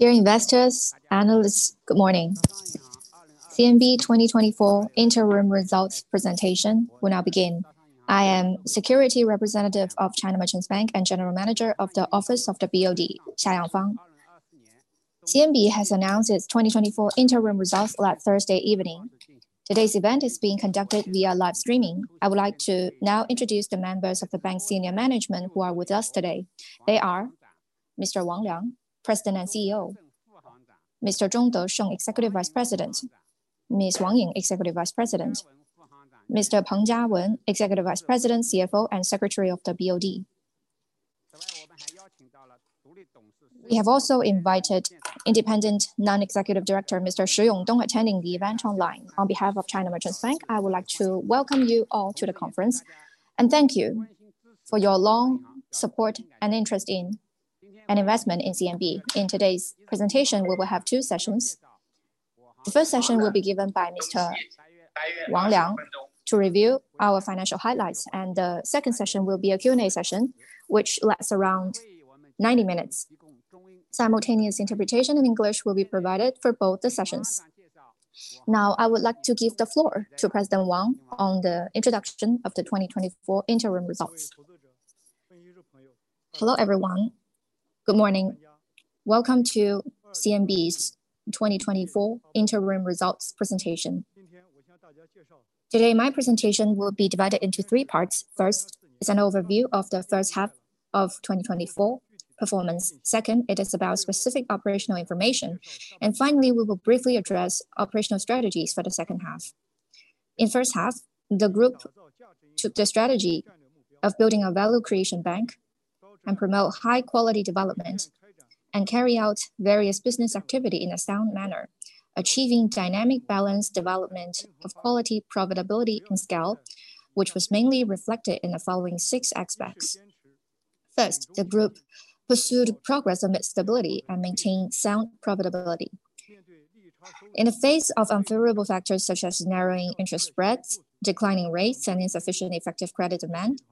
Dear investors, analysts, good morning. CMB 2024 Interim results presentation will now begin. I am Securities Representative of China Merchants Bank and General Manager of the Office of the BOD, Xia Yangfang. CMB has announced its twenty twenty-four interim results last Thursday evening. Today's event is being conducted via live streaming. I would like to now introduce the members of the bank's senior management who are with us today. They are Mr. Wang Liang, President and CEO, Mr. Zhong Desheng, Executive Vice President, Ms. Wang Ying, Executive Vice President, Mr. Peng Jiawen, Executive Vice President, CFO, and Secretary of the BOD. We have also invited independent non-executive director, Mr. Shi Yongdong, attending the event online. On behalf of China Merchants Bank, I would like to welcome you all to the conference, and thank you for your long support and interest in and investment in CMB. In today's presentation, we will have two sessions. The first session will be given by Mr. Wang Liang to review our financial highlights, and the second session will be a Q&A session, which lasts around ninety minutes. Simultaneous interpretation in English will be provided for both the sessions. Now, I would like to give the floor to President Wang on the introduction of the 2024 interim results. Hello, everyone. Good morning. Welcome to CMB's 2024 interim results presentation. Today, my presentation will be divided into three parts. First, is an overview of the first half of 2024 performance. Second, it is about specific operational information. And finally, we will briefly address operational strategies for the second half. In first half, the group took the strategy of building a value creation bank and promote high-quality development, and carry out various business activity in a sound manner, achieving dynamic balance, development of quality, profitability, and scale, which was mainly reflected in the following six aspects. First, the group pursued progress amid stability and maintained sound profitability. In the face of unfavorable factors such as narrowing interest spreads, declining rates, and insufficient effective credit demand,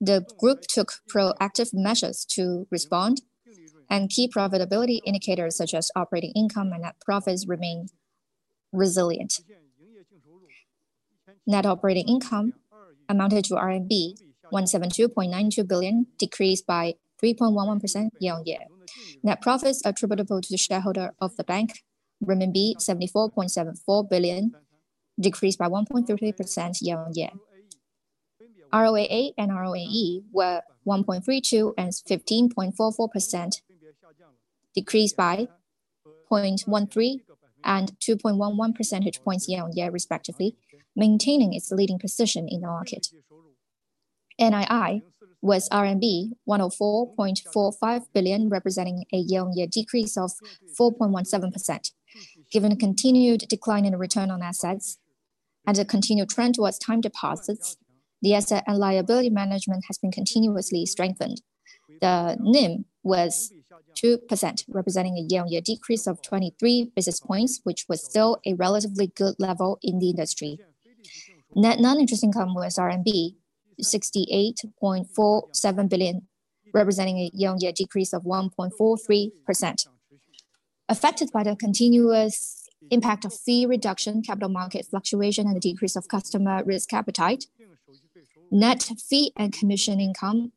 the group took proactive measures to respond, and key profitability indicators, such as operating income and net profits, remain resilient. Net operating income amounted to RMB 172.92 billion, decreased by 3.11% year-on-year. Net profits attributable to the shareholder of the bank, RMB 74.74 billion, decreased by 1.33% year-on-year. ROAA and ROAE were 1.32% and 15.44%, decreased by 0.13 and 2.11 percentage points year-on-year, respectively, maintaining its leading position in the market. NII was RMB 104.45 billion, representing a year-on-year decrease of 4.17%. Given a continued decline in return on assets and a continued trend towards time deposits, the asset and liability management has been continuously strengthened. The NIM was 2%, representing a year-on-year decrease of 23 basis points, which was still a relatively good level in the industry. Non-interest income was RMB 68.47 billion, representing a year-on-year decrease of 1.43%. Affected by the continuous impact of fee reduction, capital market fluctuation, and the decrease of customer risk appetite, net fee and commission income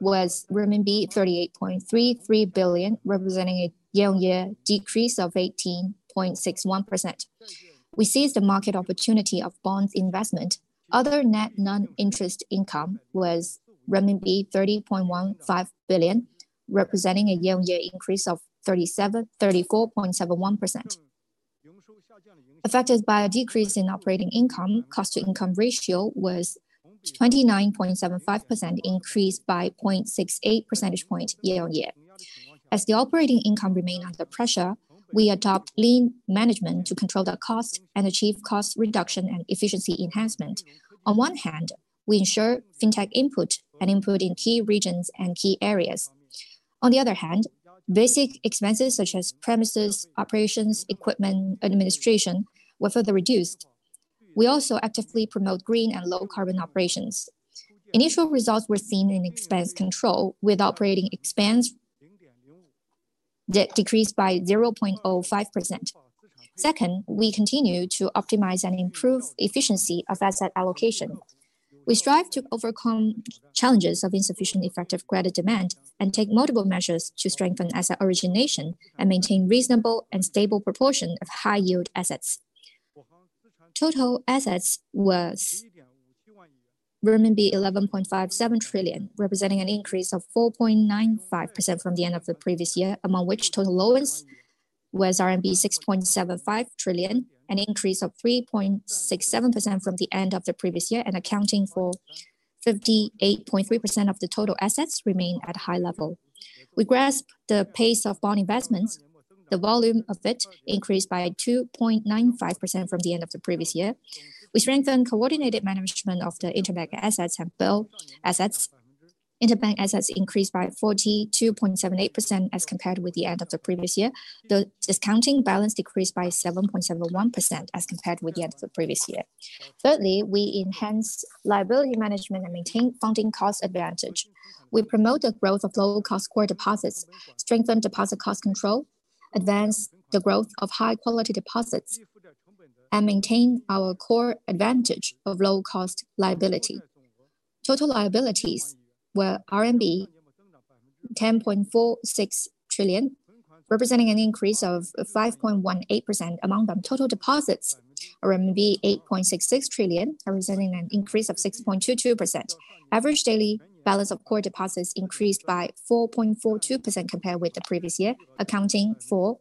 was renminbi 38.33 billion, representing a year-on-year decrease of 18.61%. We seized the market opportunity of bonds investment. Other net non-interest income was renminbi 30.15 billion, representing a year-on-year increase of 34.71%. Affected by a decrease in operating income, cost to income ratio was 29.75%, increased by 0.68 percentage points year-on-year. As the operating income remain under pressure, we adopt lean management to control the cost and achieve cost reduction and efficiency enhancement. On one hand, we ensure fintech input and input in key regions and key areas. On the other hand, basic expenses such as premises, operations, equipment, administration, were further reduced. We also actively promote green and low carbon operations. Initial results were seen in expense control, with operating expense decreased by 0.05%. Second, we continue to optimize and improve efficiency of asset allocation. We strive to overcome challenges of insufficient effective credit demand and take multiple measures to strengthen asset origination and maintain reasonable and stable proportion of high-yield assets. Total assets was renminbi 11.57 trillion, representing an increase of 4.95% from the end of the previous year, among which total loans was RMB 6.75 trillion, an increase of 3.67% from the end of the previous year and accounting for 58.3% of the total assets remain at high level. We grasp the pace of bond investments. The volume of it increased by 2.95% from the end of the previous year. We strengthen coordinated management of the interbank assets and bill assets. Interbank assets increased by 42.78% as compared with the end of the previous year. The discounting balance decreased by 7.71% as compared with the end of the previous year. Thirdly, we enhanced liability management and maintained funding cost advantage. We promote the growth of low-cost core deposits, strengthen deposit cost control, advance the growth of high-quality deposits, and maintain our core advantage of low-cost liability. Total liabilities were RMB 10.46 trillion, representing an increase of 5.18%. Among them, total deposits, RMB 8.66 trillion, representing an increase of 6.22%. Average daily balance of core deposits increased by 4.42% compared with the previous year, accounting for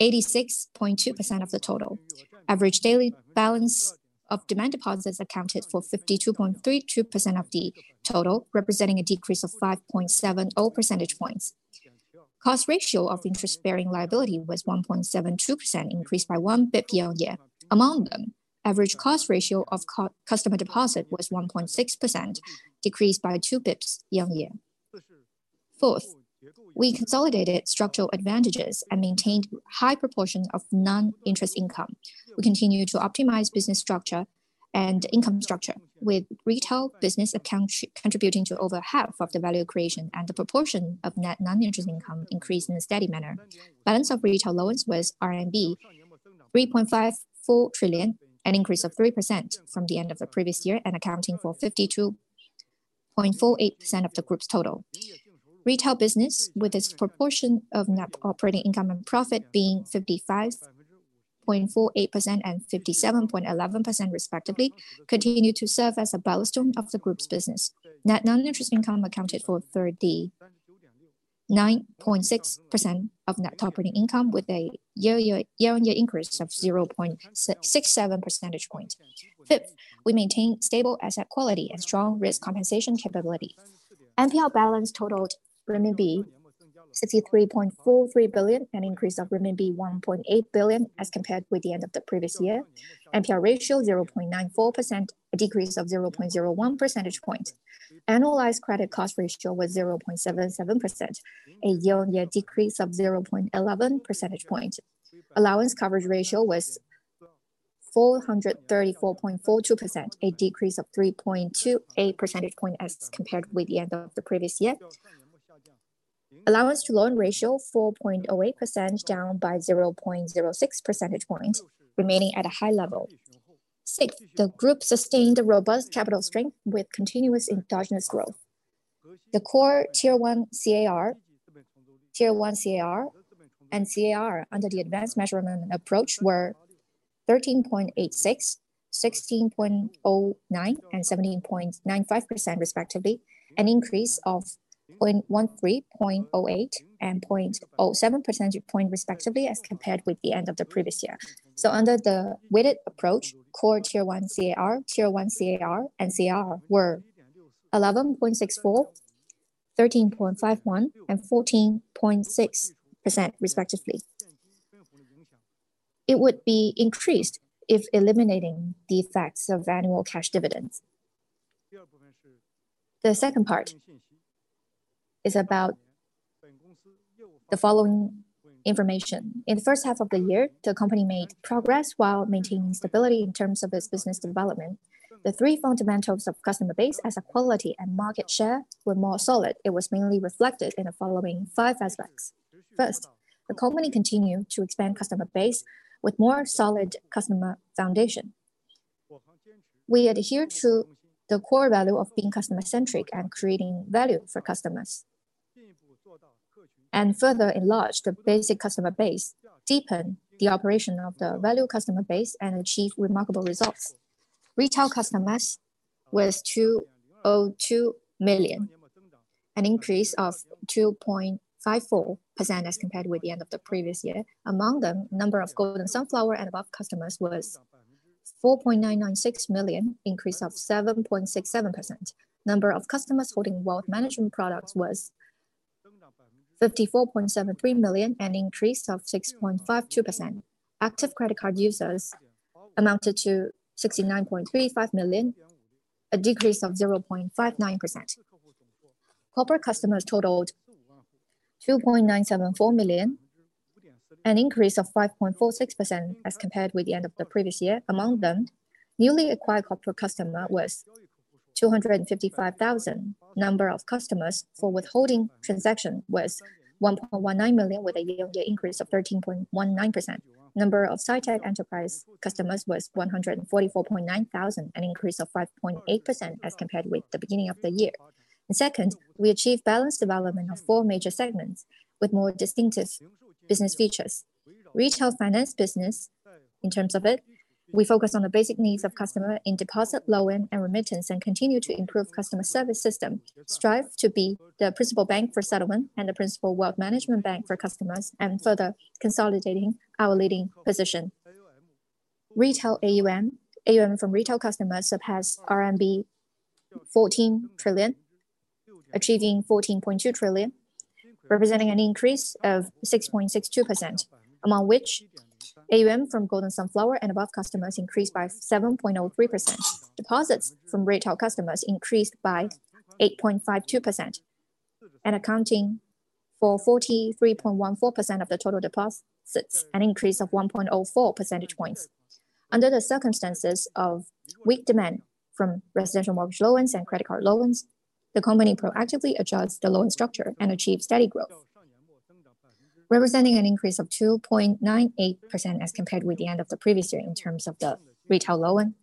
86.2% of the total. Average daily balance of demand deposits accounted for 52.32% of the total, representing a decrease of 5.70 percentage points. Cost ratio of interest-bearing liability was 1.72%, increased by one bp year-on-year. Among them, average cost ratio of customer deposit was 1.6%, decreased by two bps year-on-year. Fourth, we consolidated structural advantages and maintained high proportions of non-interest income. We continue to optimize business structure and income structure, with retail business accounting for over half of the value creation, and the proportion of net non-interest income increased in a steady manner. Balance of retail loans was RMB 3.54 trillion, an increase of 3% from the end of the previous year and accounting for 52.48% of the group's total. Retail business, with its proportion of net operating income and profit being 55.48% and 57.11% respectively, continued to serve as a Balustrade of the group's business. Net non-interest income accounted for 39.6% of net operating income, with a year-on-year increase of 0.67 percentage points. Fifth, we maintained stable asset quality and strong risk compensation capability. NPL balance totaled RMB 63.43 billion, an increase of RMB 1.8 billion as compared with the end of the previous year. NPL ratio 0.94%, a decrease of 0.01 percentage point. Annualized credit cost ratio was 0.77%, a year-on-year decrease of 0.11 percentage point. Allowance coverage ratio was 434.42%, a decrease of 3.28 percentage point as compared with the end of the previous year. Allowance to loan ratio 4.08%, down by 0.06 percentage points, remaining at a high level. Sixth, the group sustained a robust capital strength with continuous endogenous growth. The Core Tier 1 CAR, Tier 1 CAR, and CAR under the advanced measurement approach were 13.86%, 16.09%, and 17.95%, respectively, an increase of 0.13, 0.08, and 0.07 percentage point respectively, as compared with the end of the previous year. So under the weighted approach, Core Tier 1 CAR, Tier 1 CAR, and CAR were 11.64%, 13.51%, and 14.6%, respectively. It would be increased if eliminating the effects of annual cash dividends. The second part is about the following information. In the first half of the year, the company made progress while maintaining stability in terms of its business development. The three fundamentals of customer base, asset quality, and market share were more solid. It was mainly reflected in the following five aspects. First, the company continued to expand customer base with more solid customer foundation. We adhere to the core value of being customer-centric and creating value for customers, and further enlarge the basic customer base, deepen the operation of the value customer base, and achieve remarkable results. Retail customers was 202 million, an increase of 2.54% as compared with the end of the previous year. Among them, number of Golden Sunflower and above customers was 4.996 million, increase of 7.67%. Number of customers holding wealth management products was 54.73 million, an increase of 6.52%. Active credit card users amounted to 69.35 million, a decrease of 0.59%. Corporate customers totaled 2.974 million, an increase of 5.46% as compared with the end of the previous year. Among them, newly acquired corporate customer was 255,000. Number of customers for withholding transaction was 1.19 million, with a year-on-year increase of 13.19%. number of SciTech enterprise customers was 144.9 thousand, an increase of 5.8% as compared with the beginning of the year. And second, we achieved balanced development of four major segments with more distinctive business features. Retail finance business, in terms of it, we focus on the basic needs of customer in deposit, loan, and remittance, and continue to improve customer service system, strive to be the principal bank for settlement and the principal wealth management bank for customers and further consolidating our leading position. Retail AUM, AUM from retail customers surpassed RMB 14 trillion, achieving 14.2 trillion, representing an increase of 6.62%, among which AUM from Golden Sunflower and above customers increased by 7.03%. Deposits from retail customers increased by-... 8.52%, and accounting for 43.14% of the total deposits, an increase of 1.04 percentage points. Under the circumstances of weak demand from residential mortgage loans and credit card loans, the company proactively adjusts the loan structure and achieve steady growth, representing an increase of 2.98% as compared with the end of the previous year in terms of the retail loan.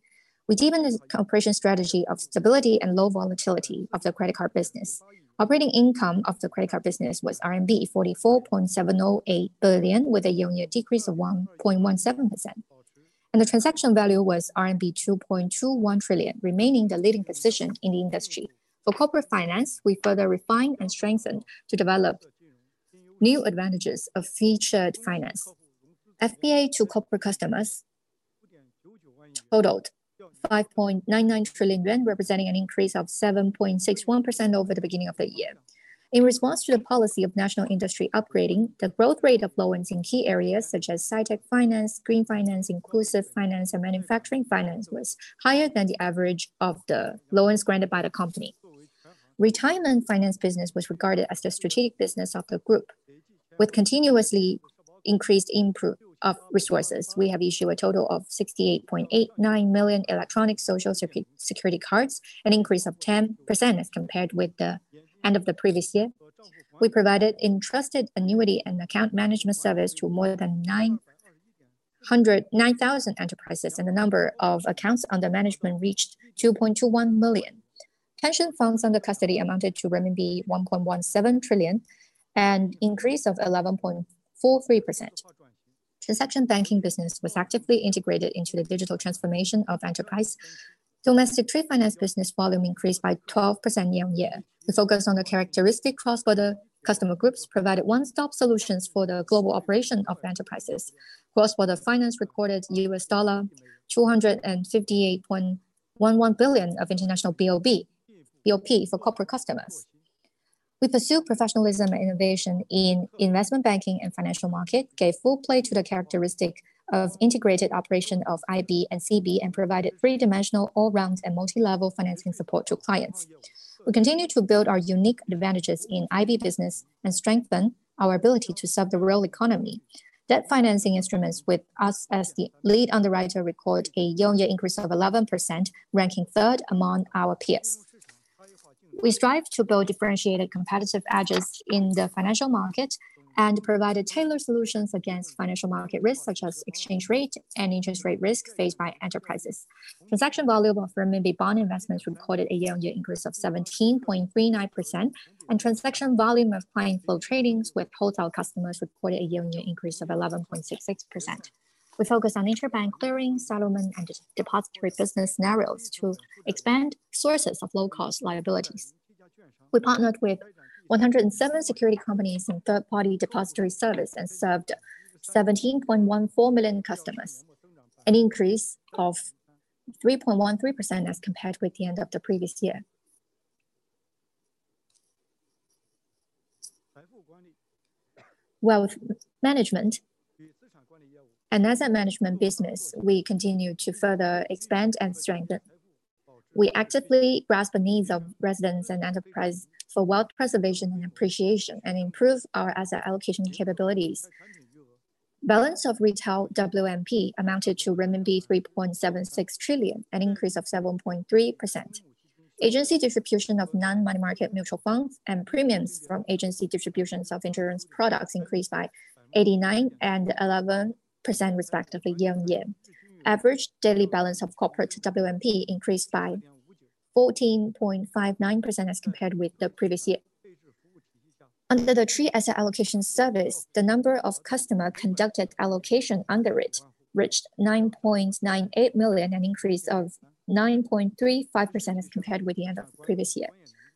We deepen the cooperation strategy of stability and low volatility of the credit card business. Operating income of the credit card business was RMB 44.708 billion, with a year-on-year decrease of 1.17%, and the transaction value was RMB 2.21 trillion, remaining the leading position in the industry. For corporate finance, we further refined and strengthened to develop new advantages of featured finance. FPA to corporate customers totaled 5.99 trillion yuan, representing an increase of 7.61% over the beginning of the year. In response to the policy of national industry upgrading, the growth rate of loans in key areas such as high-tech finance, green finance, inclusive finance, and manufacturing finance was higher than the average of the loans granted by the company. Retirement finance business was regarded as the strategic business of the group. With continuously increased improvement of resources, we have issued a total of 68.89 million electronic social security cards, an increase of 10% as compared with the end of the previous year. We provided entrusted annuity and account management service to more than nine thousand enterprises, and the number of accounts under management reached 2.21 million. Pension funds under custody amounted to renminbi 1.17 trillion, an increase of 11.43%. Transaction banking business was actively integrated into the digital transformation of enterprise. Domestic trade finance business volume increased by 12% year-on-year. The focus on the characteristic cross-border customer groups provided one-stop solutions for the global operation of enterprises. Cross-border finance recorded $258.11 billion of international BOP for corporate customers. We pursue professionalism and innovation in investment banking and financial market, gave full play to the characteristic of integrated operation of IB and CB, and provided three-dimensional, all-round, and multi-level financing support to clients. We continue to build our unique advantages in IB business and strengthen our ability to serve the real economy. Debt financing instruments with us as the lead underwriter recorded a year-on-year increase of 11%, ranking third among our peers. We strive to build differentiated competitive edges in the financial market and provide tailored solutions against financial market risks, such as exchange rate and interest rate risk faced by enterprises. Transaction volume of RMB bond investments recorded a year-on-year increase of 17.39%, and transaction volume of client flow tradings with wholesale customers recorded a year-on-year increase of 11.66%. We focus on interbank clearing, settlement, and depository business scenarios to expand sources of low-cost liabilities. We partnered with 107 security companies and third-party depository service, and served 17.14 million customers, an increase of 3.13% as compared with the end of the previous year. Wealth management and asset management business, we continue to further expand and strengthen. We actively grasp the needs of residents and enterprise for wealth preservation and appreciation, and improve our asset allocation capabilities. Balance of retail WMP amounted to renminbi 3.76 trillion, an increase of 7.3%. Agency distribution of non-money market mutual funds and premiums from agency distributions of insurance products increased by 89% and 11% respectively, year-on-year. Average daily balance of corporate WMP increased by 14.59% as compared with the previous year. Under the three asset allocation service, the number of customer-conducted allocation under it reached 9.98 million, an increase of 9.35% as compared with the end of the previous year.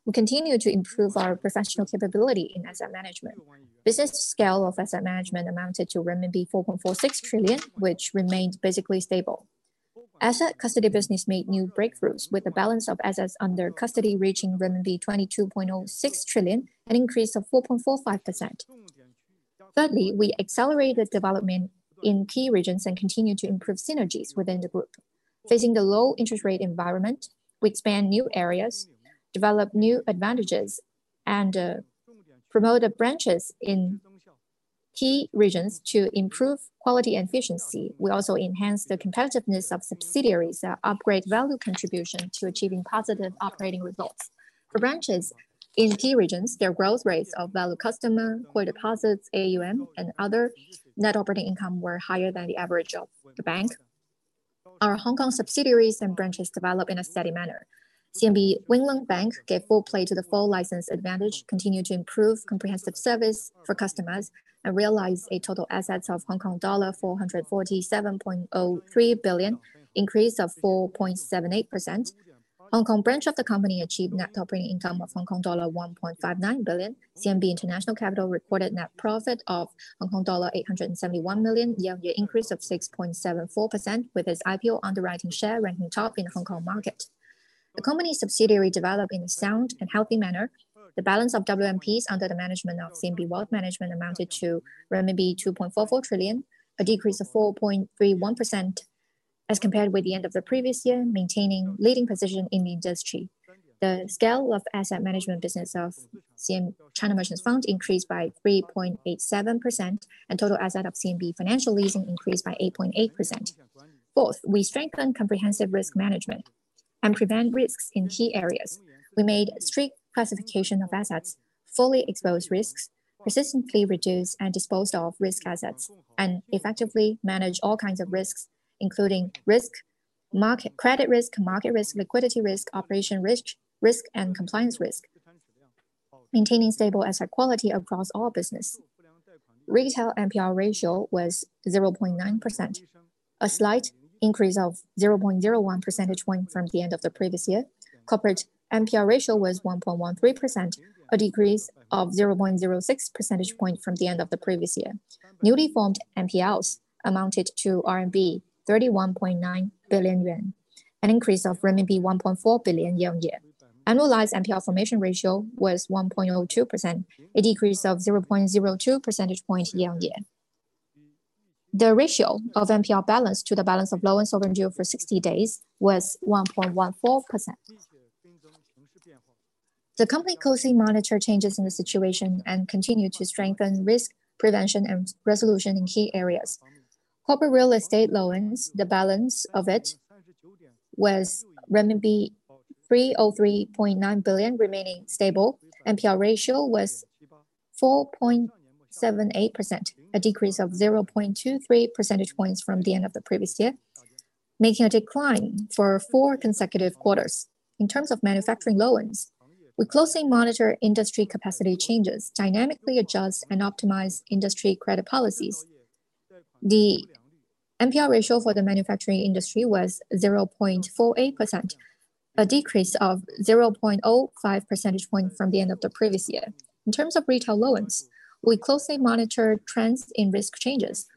We continue to improve our professional capability in asset management. Business scale of asset management amounted to renminbi 4.46 trillion, which remained basically stable. Asset custody business made new breakthroughs, with the balance of assets under custody reaching renminbi 22.06 trillion, an increase of 4.45%. Thirdly, we accelerated development in key regions and continued to improve synergies within the group. Facing the low interest rate environment, we expand new areas, develop new advantages, and promote the branches in key regions to improve quality and efficiency. We also enhance the competitiveness of subsidiaries that upgrade value contribution to achieving positive operating results. For branches in key regions, their growth rates of value customer, core deposits, AUM, and other net operating income were higher than the average of the bank. Our Hong Kong subsidiaries and branches develop in a steady manner. CMB Wing Lung Bank gave full play to the full license advantage, continued to improve comprehensive service for customers, and realized a total assets of Hong Kong dollar 447.03 billion, increase of 4.78%. Hong Kong branch of the company achieved net operating income of Hong Kong dollar 1.59 billion. CMB International Capital recorded net profit of Hong Kong dollar 871 million, year-on-year increase of 6.74%, with its IPO underwriting share ranking top in the Hong Kong market. The company's subsidiary developed in a sound and healthy manner. The balance of WMPs under the management of CMB Wealth Management amounted to renminbi 2.44 trillion, a decrease of 4.31% as compared with the end of the previous year, maintaining leading position in the industry. The scale of asset management business of CM, China Merchants Fund increased by 3.87%, and total assets of CMB Financial Leasing increased by 8.8%. Fourth, we strengthen comprehensive risk management and prevent risks in key areas. We made strict classification of assets, fully exposed risks, persistently reduced and disposed of risk assets, and effectively managed all kinds of risks, including credit risk, market risk, liquidity risk, operational risk, and compliance risk, maintaining stable asset quality across all business. Retail NPL ratio was 0.9%, a slight increase of 0.01 percentage point from the end of the previous year. Corporate NPL ratio was 1.13%, a decrease of 0.06 percentage point from the end of the previous year. Newly formed NPLs amounted to 31.9 billion yuan, an increase of RMB 1.4 billion year-on-year. Annualized NPL formation ratio was 1.02%, a decrease of 0.02 percentage points year-on-year. The ratio of NPL balance to the balance of loans overdue for 60 days was 1.14%. The company closely monitor changes in the situation and continue to strengthen risk prevention and resolution in key areas. Corporate real estate loans, the balance of it was renminbi 303.9 billion, remaining stable. NPL ratio was 4.78%, a decrease of 0.23 percentage points from the end of the previous year, making a decline for four consecutive quarters. In terms of manufacturing loans, we closely monitor industry capacity changes, dynamically adjust and optimize industry credit policies. The NPL ratio for the manufacturing industry was 0.48%, a decrease of 0.05 percentage point from the end of the previous year. In terms of retail loans, we closely monitor trends in risk changes,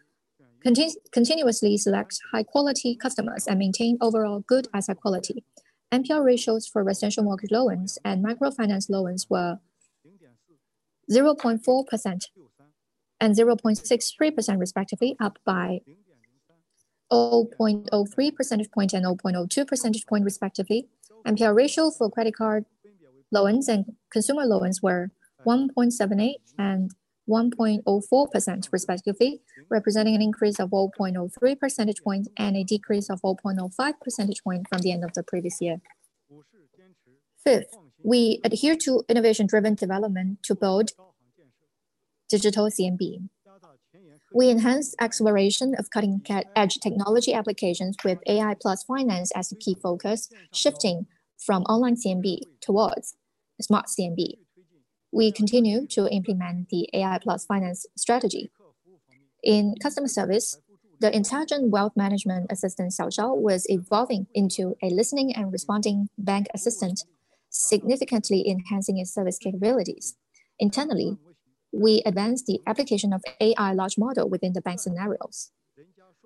continuously select high-quality customers, and maintain overall good asset quality. NPL ratios for residential mortgage loans and microfinance loans were 0.4% and 0.63% respectively, up by 0.03 percentage point and 0.02 percentage point respectively. NPL ratio for credit card loans and consumer loans were 1.78% and 1.04% respectively, representing an increase of 0.03 percentage points and a decrease of 0.05 percentage point from the end of the previous year. Fifth, we adhere to innovation-driven development to build digital CMB. We enhance exploration of cutting-edge technology applications with AI plus finance as the key focus, shifting from online CMB towards smart CMB. We continue to implement the AI plus finance strategy. In customer service, the intelligent wealth management assistant, Xiaoxiao, was evolving into a listening and responding bank assistant, significantly enhancing its service capabilities. Internally, we advanced the application of AI large model within the bank scenarios.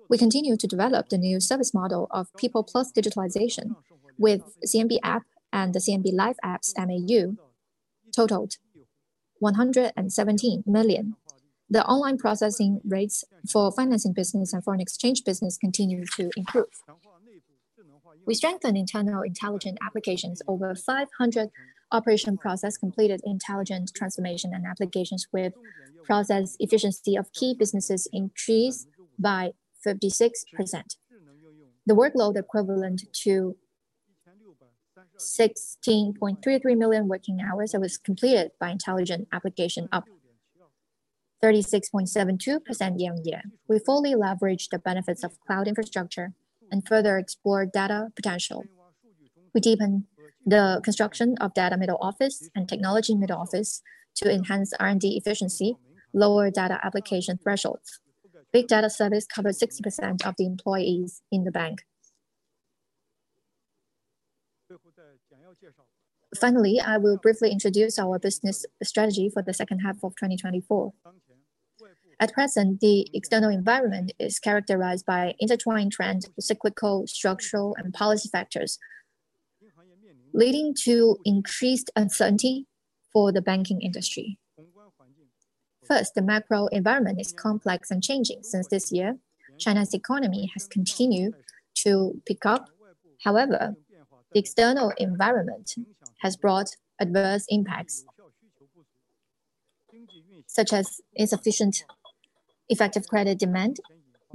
We continue to develop the new service model of people plus digitalization, with CMB app and the CMB Life apps MAU totaled 117 million. The online processing rates for financing business and foreign exchange business continue to improve. We strengthen internal intelligent applications. Over 500 operation process completed intelligent transformation and applications, with process efficiency of key businesses increased by 56%. The workload equivalent to 16.33 million working hours that was completed by intelligent application, up 36.72% year-on-year. We fully leverage the benefits of cloud infrastructure and further explore data potential. We deepen the construction of data middle office and technology middle office to enhance R&D efficiency, lower data application thresholds. Big data service covers 60% of the employees in the bank. Finally, I will briefly introduce our business strategy for the second half of 2024. At present, the external environment is characterized by intertwined trends, cyclical, structural, and policy factors, leading to increased uncertainty for the banking industry. First, the macro environment is complex and changing. Since this year, China's economy has continued to pick up. However, the external environment has brought adverse impacts, such as insufficient effective credit demand,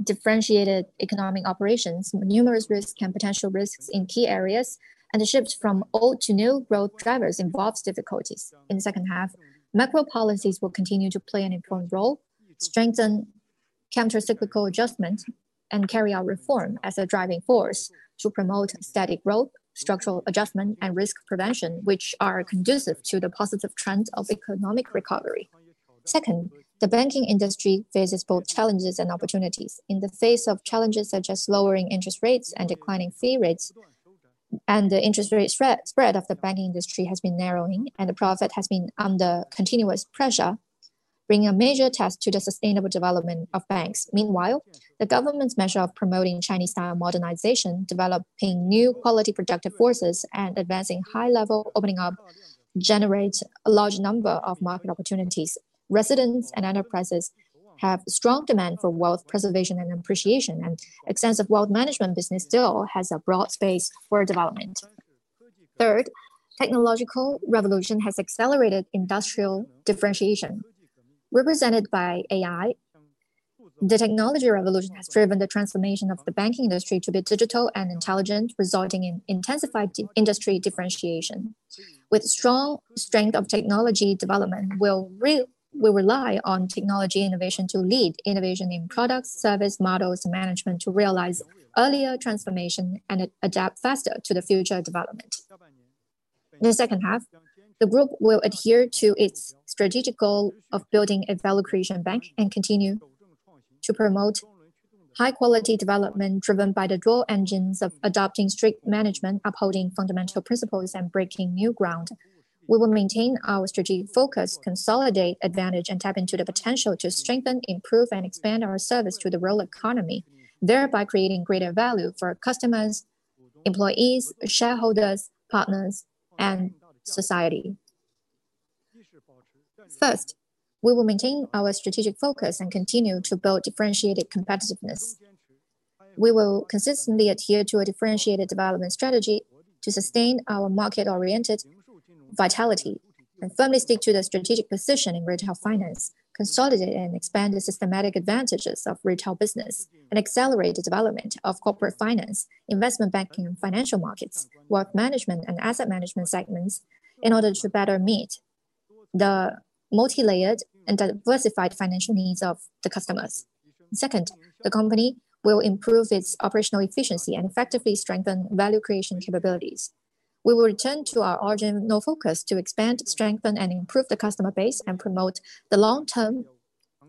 differentiated economic operations, numerous risks and potential risks in key areas, and the shift from old to new growth drivers involves difficulties. In the second half, macro policies will continue to play an important role, strengthen countercyclical adjustment, and carry out reform as a driving force to promote steady growth, structural adjustment, and risk prevention, which are conducive to the positive trends of economic recovery. Second, the banking industry faces both challenges and opportunities. In the face of challenges such as lowering interest rates and declining fee rates, and the interest rate spread of the banking industry has been narrowing and the profit has been under continuous pressure, bringing a major test to the sustainable development of banks. Meanwhile, the government's measure of promoting Chinese-style modernization, developing new quality productive forces, and advancing high-level opening up, generates a large number of market opportunities. Residents and enterprises have strong demand for wealth preservation and appreciation, and extensive wealth management business still has a broad space for development. Third, technological revolution has accelerated industrial differentiation. Represented by AI, the technology revolution has driven the transformation of the banking industry to be digital and intelligent, resulting in intensified industry differentiation. With strong strength of technology development, we'll rely on technology innovation to lead innovation in products, service, models, and management to realize earlier transformation and adapt faster to the future development. In the second half, the group will adhere to its strategic goal of building a value creation bank and continue to promote high-quality development, driven by the dual engines of adopting strict management, upholding fundamental principles, and breaking new ground. We will maintain our strategic focus, consolidate advantage, and tap into the potential to strengthen, improve, and expand our service to the real economy, thereby creating greater value for our customers, employees, shareholders, partners, and society. First, we will maintain our strategic focus and continue to build differentiated competitiveness. We will consistently adhere to a differentiated development strategy to sustain our market-oriented vitality, and firmly stick to the strategic position in retail finance, consolidate and expand the systematic advantages of retail business, and accelerate the development of corporate finance, investment banking, financial markets, wealth management, and asset management segments in order to better meet the multilayered and diversified financial needs of the customers. Second, the company will improve its operational efficiency and effectively strengthen value creation capabilities. We will return to our original focus to expand, strengthen, and improve the customer base, and promote the long-term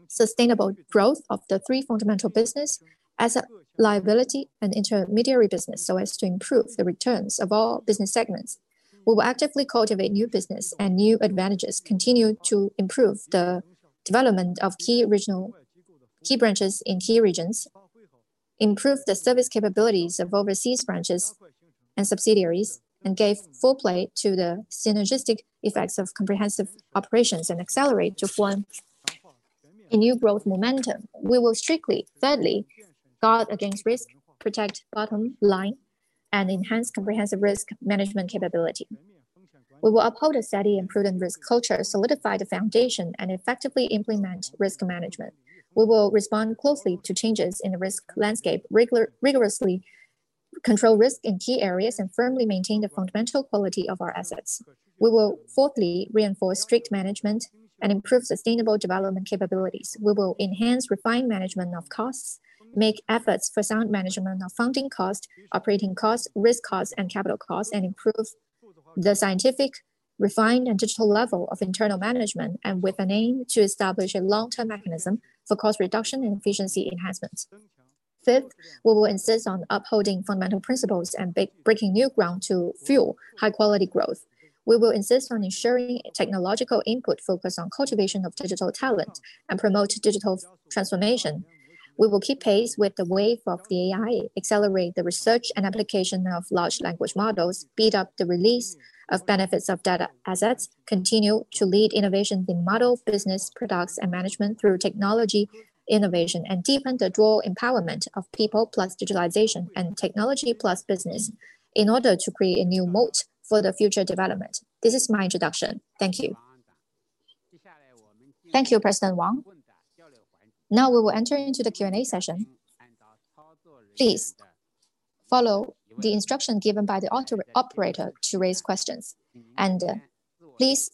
sustainable growth of the three fundamental business: asset, liability, and intermediary business, so as to improve the returns of all business segments. We will actively cultivate new business and new advantages, continue to improve the development of key branches in key regions, improve the service capabilities of overseas branches and subsidiaries, and give full play to the synergistic effects of comprehensive operations, and accelerate to form a new growth momentum. We will strictly, thirdly, guard against risk, protect bottom line, and enhance comprehensive risk management capability. We will uphold a steady and prudent risk culture, solidify the foundation, and effectively implement risk management. We will respond closely to changes in the risk landscape, rigorously control risk in key areas, and firmly maintain the fundamental quality of our assets. We will, fourthly, reinforce strict management and improve sustainable development capabilities. We will enhance refined management of costs, make efforts for sound management of funding cost, operating costs, risk costs, and capital costs, and improve the scientific, refined, and digital level of internal management, and with an aim to establish a long-term mechanism for cost reduction and efficiency enhancements. Fifth, we will insist on upholding fundamental principles and breaking new ground to fuel high-quality growth. We will insist on ensuring technological input, focus on cultivation of digital talent, and promote digital transformation. We will keep pace with the wave of the AI, accelerate the research and application of large language models, speed up the release of benefits of data assets, continue to lead innovation in model business, products, and management through technology innovation, and deepen the dual empowerment of people plus digitalization and technology plus business in order to create a new moat for the future development. This is my introduction. Thank you. Thank you, President Wang. Now we will enter into the Q&A session. Please follow the instructions given by the operator to raise questions, and please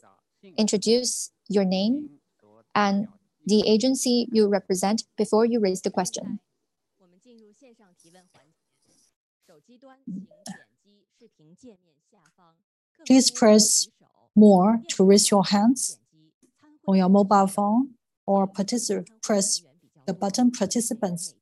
introduce your name and the agency you represent before you raise the question. Please press "More" to raise your hands on your mobile phone, or press the button "Participants"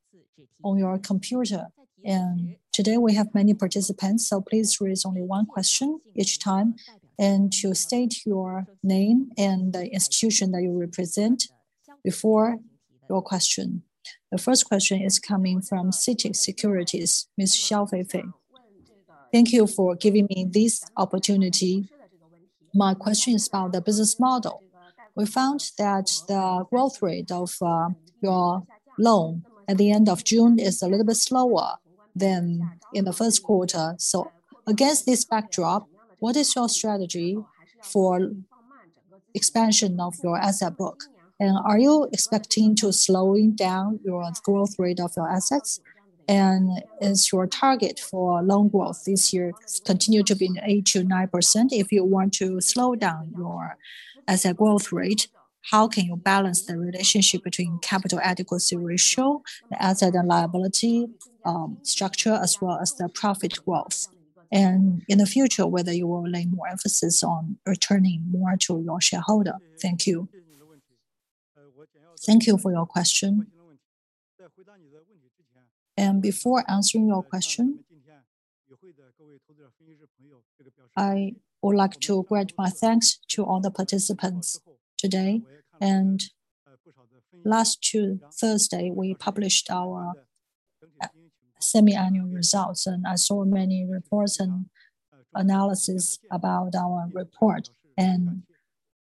on your computer. And today, we have many participants, so please raise only one question each time, and to state your name and the institution that you represent before your question. The first question is coming from CITIC Securities, Ms. Xiao Fei Fei. Thank you for giving me this opportunity. My question is about the business model. We found that the growth rate of your loan at the end of June is a little bit slower than in the first quarter. So against this backdrop, what is your strategy for expansion of your asset book? And are you expecting to slowing down your growth rate of your assets? And is your target for loan growth this year continue to be 8%-9%? If you want to slow down your asset growth rate, how can you balance the relationship between capital adequacy ratio, the asset and liability structure, as well as the profit growth? And in the future, whether you will lay more emphasis on returning more to your shareholder. Thank you. Thank you for your question. And before answering your question, I would like to extend my thanks to all the participants today. And last Thursday, we published our semi-annual results, and I saw many reports and analysis about our report, and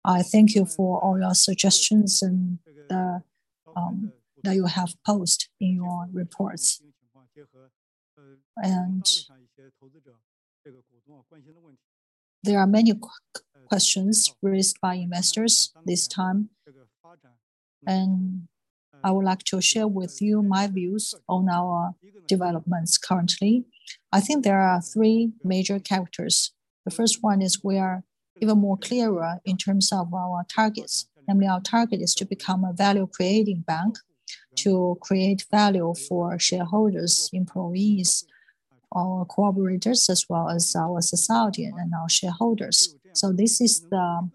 I thank you for all your suggestions and that you have posted in your reports. And there are many questions raised by investors this time, and I would like to share with you my views on our developments currently. I think there are three major characteristics. The first one is we are even more clearer in terms of our targets, and our target is to become a value-creating bank, to create value for shareholders, employees, our cooperators, as well as our society and our shareholders. So this is the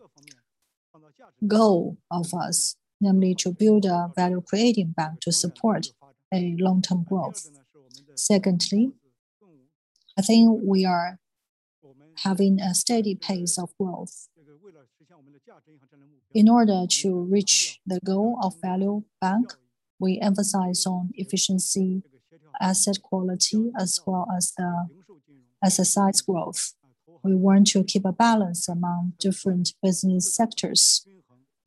goal of us, namely to build a value-creating bank to support a long-term growth. Secondly, I think we are having a steady pace of growth. In order to reach the goal of value bank, we emphasize on efficiency, asset quality, as well as the asset size growth. We want to keep a balance among different business sectors,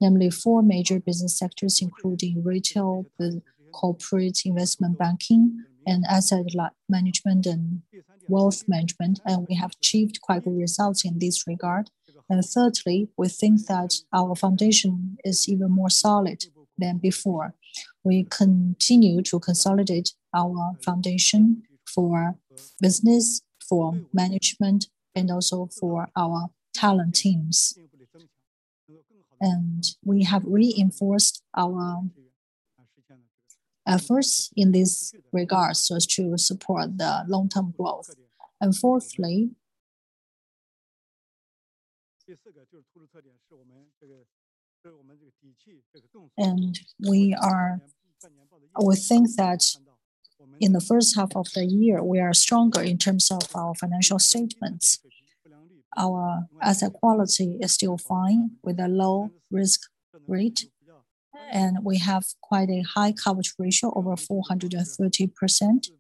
namely four major business sectors, including retail, the corporate investment banking, and asset management and wealth management, and we have achieved quite good results in this regard. Thirdly, we think that our foundation is even more solid than before. We continue to consolidate our foundation for business, for management, and also for our talent teams. And we have reinforced our first in this regard, so as to support the long-term growth. And fourthly, we think that in the first half of the year, we are stronger in terms of our financial statements. Our asset quality is still fine, with a low risk rate, and we have quite a high coverage ratio, over 430%.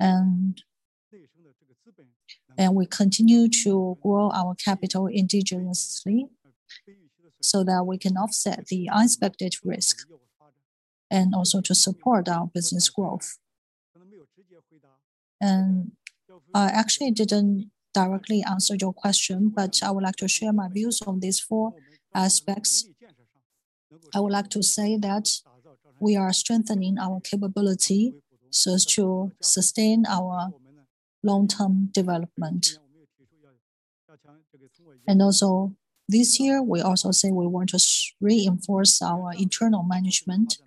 And we continue to grow our capital endogenously, so that we can offset the unexpected risk, and also to support our business growth. And actually I didn't directly answer your question, but I would like to share my views on these four aspects. I would like to say that we are strengthening our capability so as to sustain our long-term development. Also, this year, we also say we want to reinforce our internal management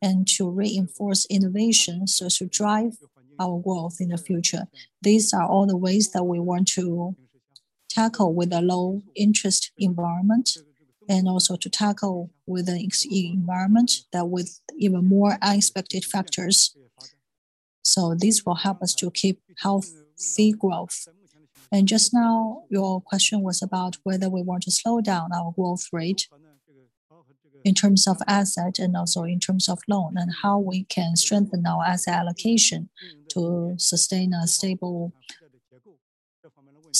and to reinforce innovation so as to drive our growth in the future. These are all the ways that we want to tackle with a low interest environment, and also to tackle with an external environment with even more unexpected factors. This will help us to keep healthy growth. Just now, your question was about whether we want to slow down our growth rate in terms of asset and also in terms of loan, and how we can strengthen our asset allocation to sustain a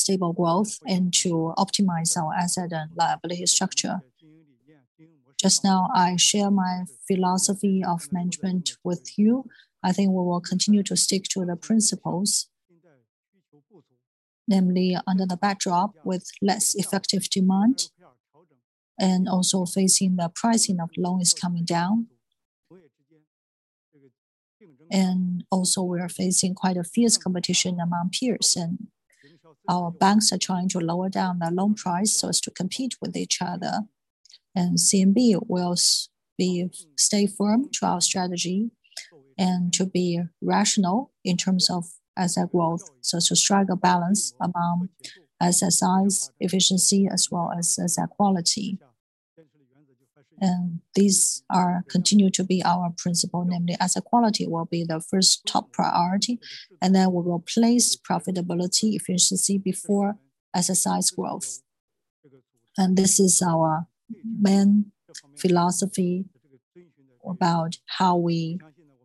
stable growth and to optimize our asset and liability structure. Just now, I share my philosophy of management with you. I think we will continue to stick to the principles, namely under the backdrop with less effective demand and also facing the pricing of loans coming down. And also, we are facing quite a fierce competition among peers, and our banks are trying to lower down the loan price so as to compete with each other. And CMB will stay firm to our strategy and to be rational in terms of asset growth, so to strike a balance among asset size, efficiency, as well as asset quality. And these are continue to be our principle, namely, asset quality will be the first top priority, and then we will place profitability, efficiency before asset size growth. And this is our main philosophy about how we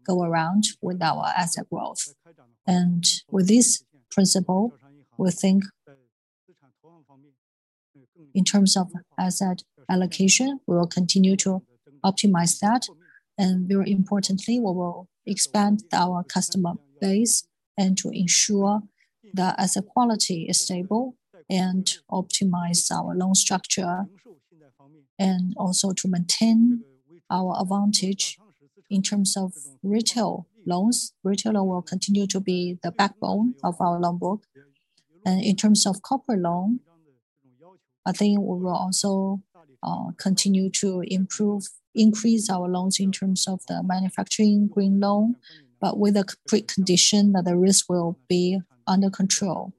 go around with our asset growth. And with this principle, we think in terms of asset allocation, we will continue to optimize that. And very importantly, we will expand our customer base and to ensure the asset quality is stable and optimize our loan structure, and also to maintain our advantage in terms of retail loans. Retail loan will continue to be the backbone of our loan book. And in terms of corporate loan, I think we will also continue to improve, increase our loans in terms of the manufacturing green loan, but with a precondition that the risk will be under control.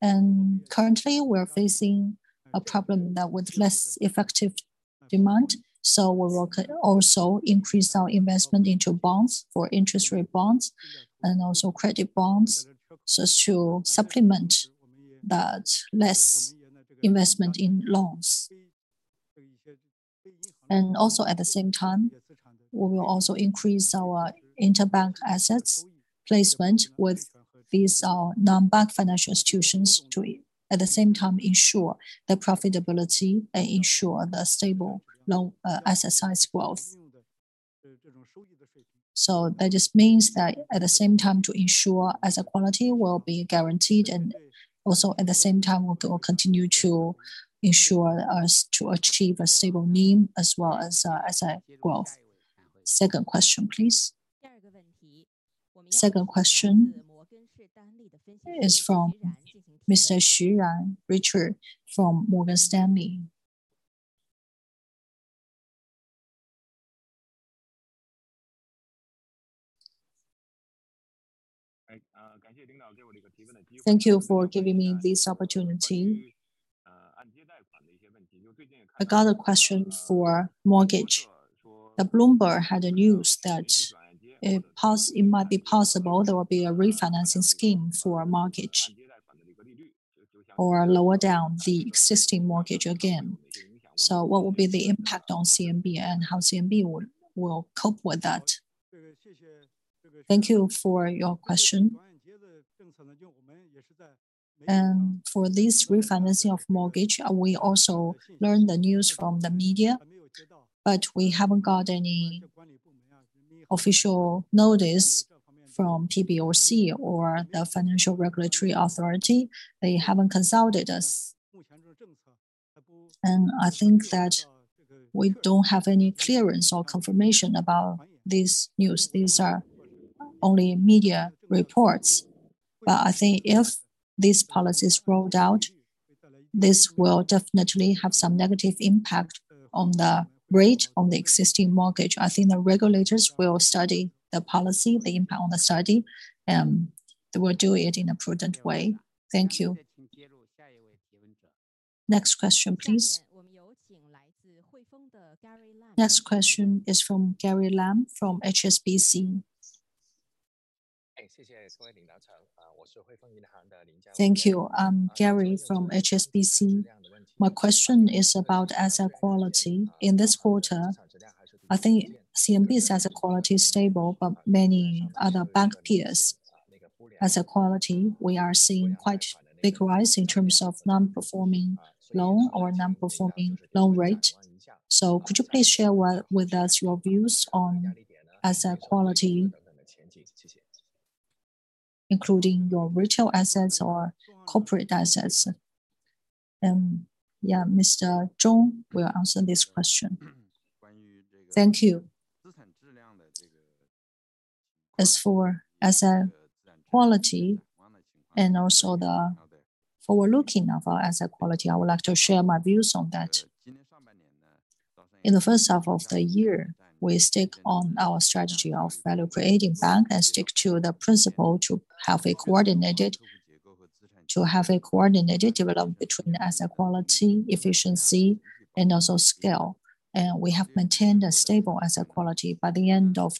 And currently, we're facing a problem now with less effective demand, so we will also increase our investment into bonds for interest rate bonds, and also credit bonds, so as to supplement that less investment in loans. And also, at the same time, we will also increase our interbank assets. placement with these, non-bank financial institutions to, at the same time, ensure the profitability and ensure the stable long asset size growth. So that just means that at the same time, to ensure asset quality will be guaranteed, and also at the same time, we'll go continue to ensure us to achieve a stable NIM as well as, asset growth. Second question, please. Second question is from Mr. Xu Richard from Morgan Stanley. Thank you for giving me this opportunity. I got a question for mortgage. The Bloomberg had a news that it might be possible there will be a refinancing scheme for a mortgage or lower down the existing mortgage again. So what will be the impact on CMB, and how CMB will cope with that? Thank you for your question. For this refinancing of mortgage, we also learned the news from the media, but we haven't got any official notice from PBOC or the Financial Regulatory Authority. They haven't consulted us. I think that we don't have any clearance or confirmation about this news. These are only media reports. But I think if this policy is rolled out, this will definitely have some negative impact on the rate on the existing mortgage. I think the regulators will study the policy, the impact on the study, and they will do it in a prudent way. Thank you. Next question, please. Next question is from Gary Lam, from HSBC. Thank you. I'm Gary from HSBC. My question is about asset quality. In this quarter, I think CMB's asset quality is stable, but many other bank peers asset quality, we are seeing quite big rise in terms of non-performing loan or non-performing loan rate. So could you please share with us your views on asset quality, including your retail assets or corporate assets? Mr. Zhong will answer this question. Thank you. As for asset quality and also the forward-looking of our asset quality, I would like to share my views on that. In the first half of the year, we stick on our strategy of value-creating bank and stick to the principle to have a coordinated development between asset quality, efficiency, and also scale. We have maintained a stable asset quality by the end of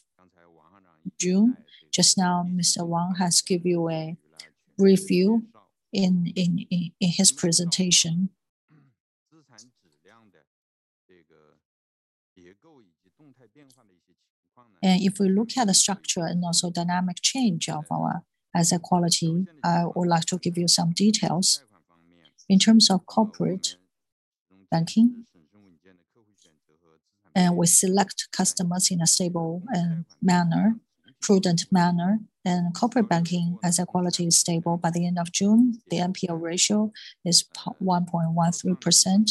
June. Just now, Mr. Wang has give you a review in his presentation. If we look at the structure and also dynamic change of our asset quality, I would like to give you some details. In terms of corporate banking, and we select customers in a stable, prudent manner, and corporate banking asset quality is stable. By the end of June, the NPL ratio is 1.13%,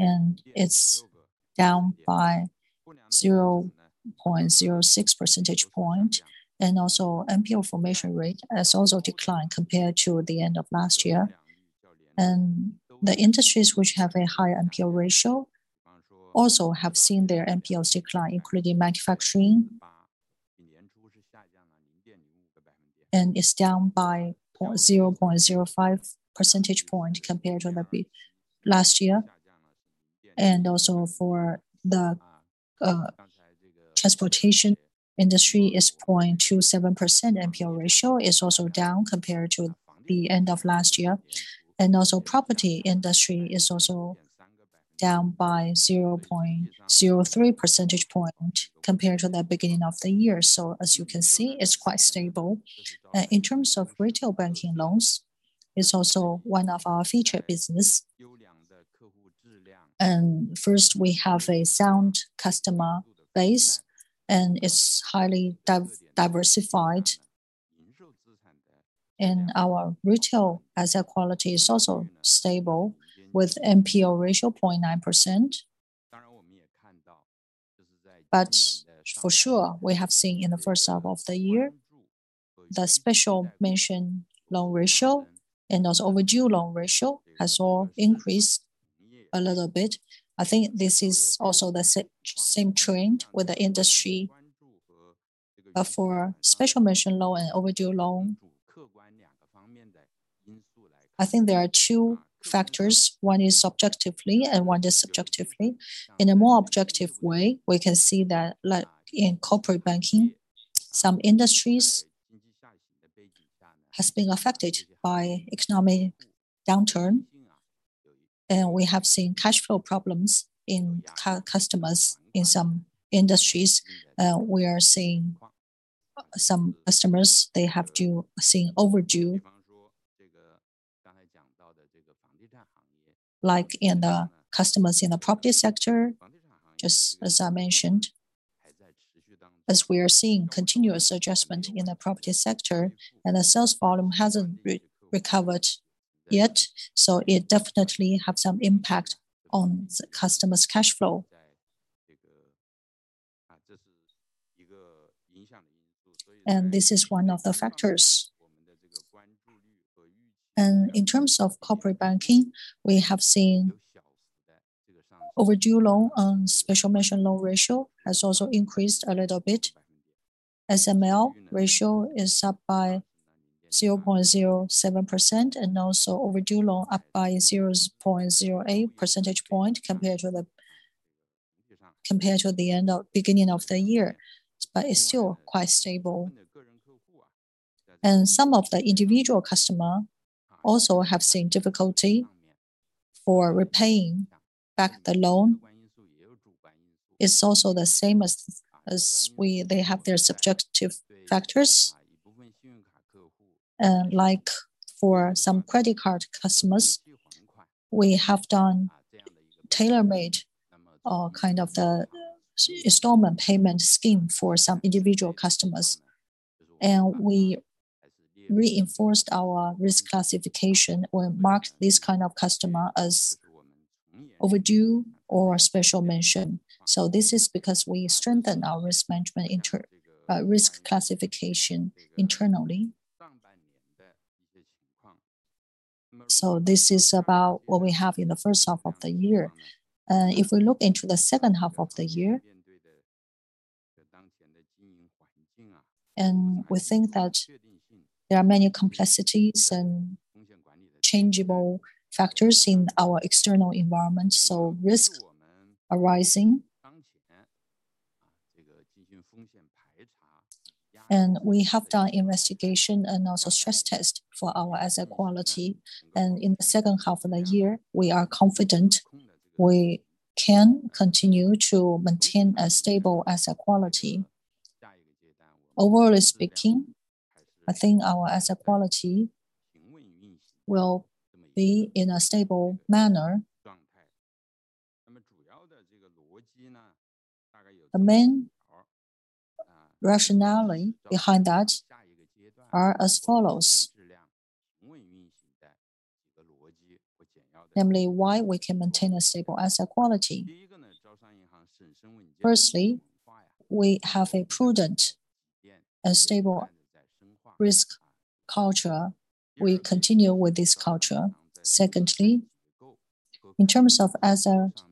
and it's down by 0.06 percentage point. And also, NPL formation rate has also declined compared to the end of last year. And the industries which have a higher NPL ratio also have seen their NPLs decline, including manufacturing. And it's down by 0.05 percentage point compared to last year. And also for the transportation industry is 0.27% NPL ratio, is also down compared to the end of last year. And also, property industry is also down by 0.03 percentage point compared to the beginning of the year. So as you can see, it's quite stable. In terms of retail banking loans, it's also one of our featured business. And first, we have a sound customer base, and it's highly diversified. And our retail asset quality is also stable, with NPL ratio 0.9%. But for sure, we have seen in the first half of the year, the special mention loan ratio and those overdue loan ratio has all increased a little bit. I think this is also the same trend with the industry. But for special mention loan and overdue loan, I think there are two factors. One is objectively and one is subjectively. In a more objective way, we can see that, like in corporate banking, some industries-... has been affected by economic downturn, and we have seen cash flow problems in customers in some industries. We are seeing some customers, they have overdue. Like in the customers in the property sector, just as I mentioned, as we are seeing continuous adjustment in the property sector, and the sales volume hasn't recovered yet, so it definitely have some impact on the customer's cash flow. And this is one of the factors. In terms of corporate banking, we have seen overdue loan on special mention loan ratio has also increased a little bit. SML ratio is up by 0.07%, and also overdue loan up by 0.08 percentage point compared to the beginning of the year, but it's still quite stable. Some of the individual customer also have seen difficulty for repaying back the loan. It's also the same as they have their subjective factors. Like for some credit card customers, we have done tailor-made, or kind of the installment payment scheme for some individual customers, and we reinforced our risk classification or marked this kind of customer as overdue or special mention. This is because we strengthen our risk management internal risk classification internally. This is about what we have in the first half of the year. If we look into the second half of the year, and we think that there are many complexities and changeable factors in our external environment, so risk arising. We have done investigation and also stress test for our asset quality. And in the second half of the year, we are confident we can continue to maintain a stable asset quality. Overall speaking, I think our asset quality will be in a stable manner. The main rationale behind that are as follows: namely, why we can maintain a stable asset quality. Firstly, we have a prudent and stable risk culture. We continue with this culture. Secondly, in terms of asset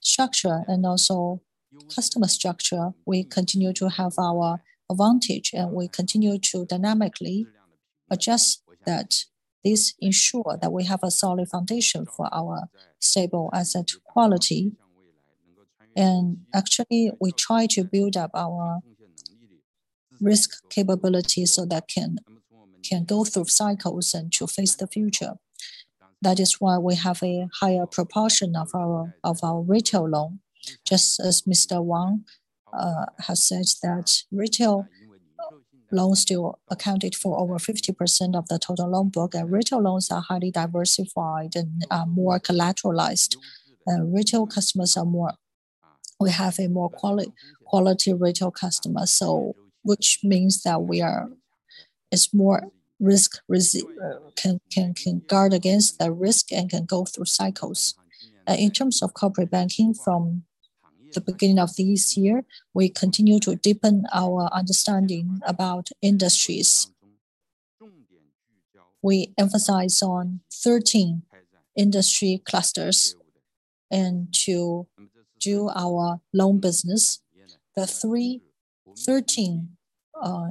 structure and also customer structure, we continue to have our advantage, and we continue to dynamically adjust that. This ensure that we have a solid foundation for our stable asset quality. And actually, we try to build up our risk capability so that can go through cycles and to face the future. That is why we have a higher proportion of our retail loan. Just as Mr. Wang has said that retail loans still accounted for over 50% of the total loan book, and retail loans are highly diversified and more collateralized. Retail customers are more. We have a more quality retail customer, so which means that we are more risk resilient and can guard against the risk and can go through cycles. In terms of corporate banking from the beginning of this year, we continue to deepen our understanding about industries. We emphasize on 13 industry clusters and to do our loan business. The 13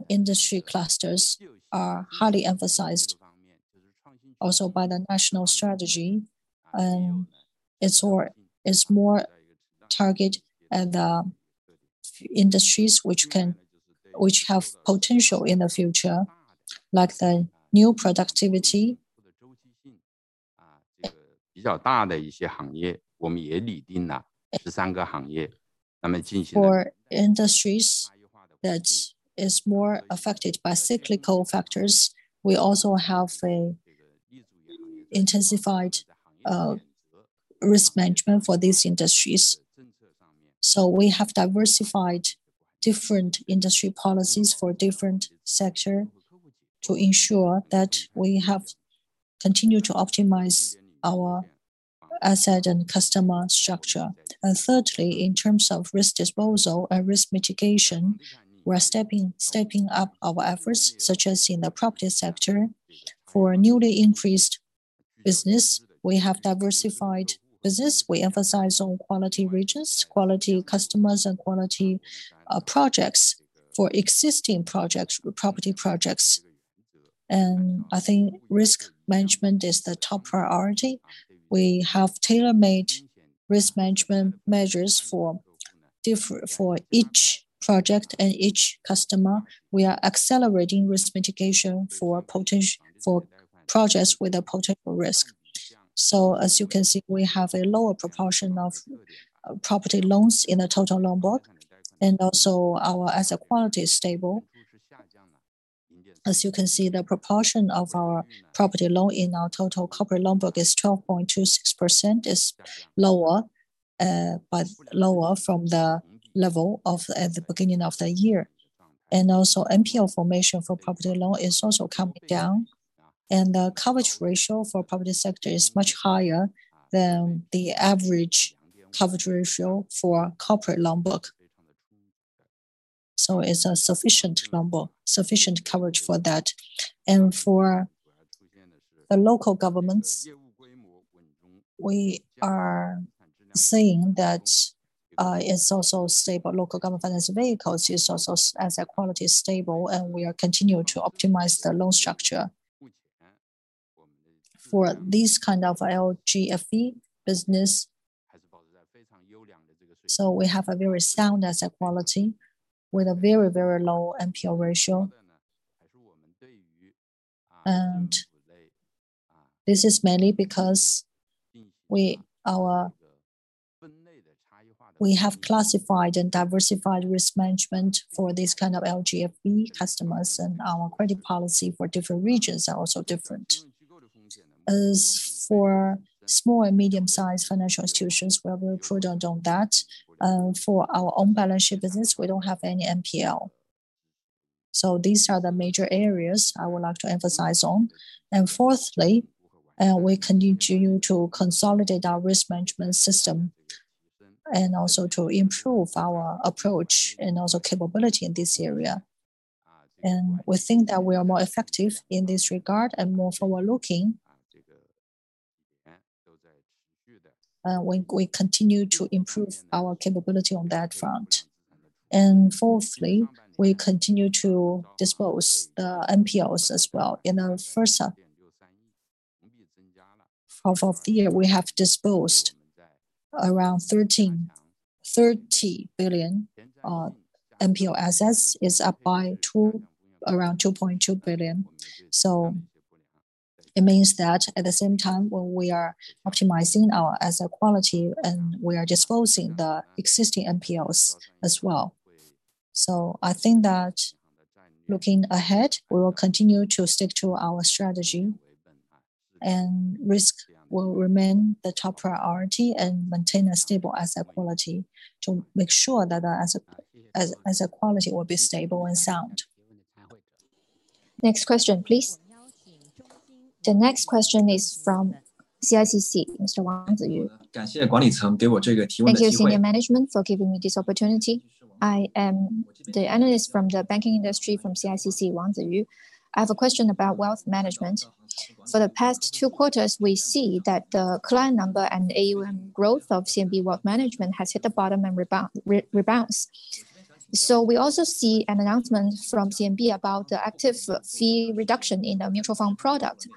industry clusters are highly emphasized also by the national strategy, and it's more targeted and industries which have potential in the future, like the new productivity. For industries that is more affected by cyclical factors, we also have an intensified risk management for these industries. So we have diversified different industry policies for different sector to ensure that we have continued to optimize our asset and customer structure. And thirdly, in terms of risk disposal and risk mitigation, we're stepping up our efforts, such as in the property sector. For newly increased business, we have diversified business. We emphasize on quality regions, quality customers, and quality projects. For existing projects, property projects, and I think risk management is the top priority. We have tailor-made risk management measures differ for each project and each customer, we are accelerating risk mitigation for projects with a potential risk. As you can see, we have a lower proportion of property loans in the total loan book, and also our asset quality is stable. As you can see, the proportion of our property loan in our total corporate loan book is 12.26%, lower from the level at the beginning of the year. Also, NPL formation for property loan is also coming down, and the coverage ratio for property sector is much higher than the average coverage ratio for corporate loan book. It's a sufficient loan book, sufficient coverage for that. For the local governments, we are seeing that it's also stable. Local government financing vehicles is also stable, and we are continuing to optimize the loan structure for this kind of LGFV business. So we have a very sound asset quality with a very, very low NPL ratio. And this is mainly because we have classified and diversified risk management for this kind of LGFV customers, and our credit policy for different regions are also different. As for small and medium-sized financial institutions, we are very prudent on that. For our own balance sheet business, we don't have any NPL. So these are the major areas I would like to emphasize on. And fourthly, we continue to consolidate our risk management system and also to improve our approach and also capability in this area. And we think that we are more effective in this regard and more forward-looking, when we continue to improve our capability on that front. And fourthly, we continue to dispose NPLs as well. In our first half of the year, we have disposed around 13 billion-30 billion NPL assets. It's up by around 2.2 billion. So it means that at the same time, when we are optimizing our asset quality, and we are disposing the existing NPLs as well. So I think that looking ahead, we will continue to stick to our strategy, and risk will remain the top priority and maintain a stable asset quality to make sure that our asset quality will be stable and sound. Next question, please. The next question is from CICC, Mr. Wang Ziyu. Thank you, senior management, for giving me this opportunity. I am the analyst from the banking industry from CICC, Wang Ziyu. I have a question about wealth management. For the past two quarters, we see that the client number and AUM growth of CMB wealth management has hit the bottom and rebounds. So we also see an announcement from CMB about the active fee reduction in the mutual fund product.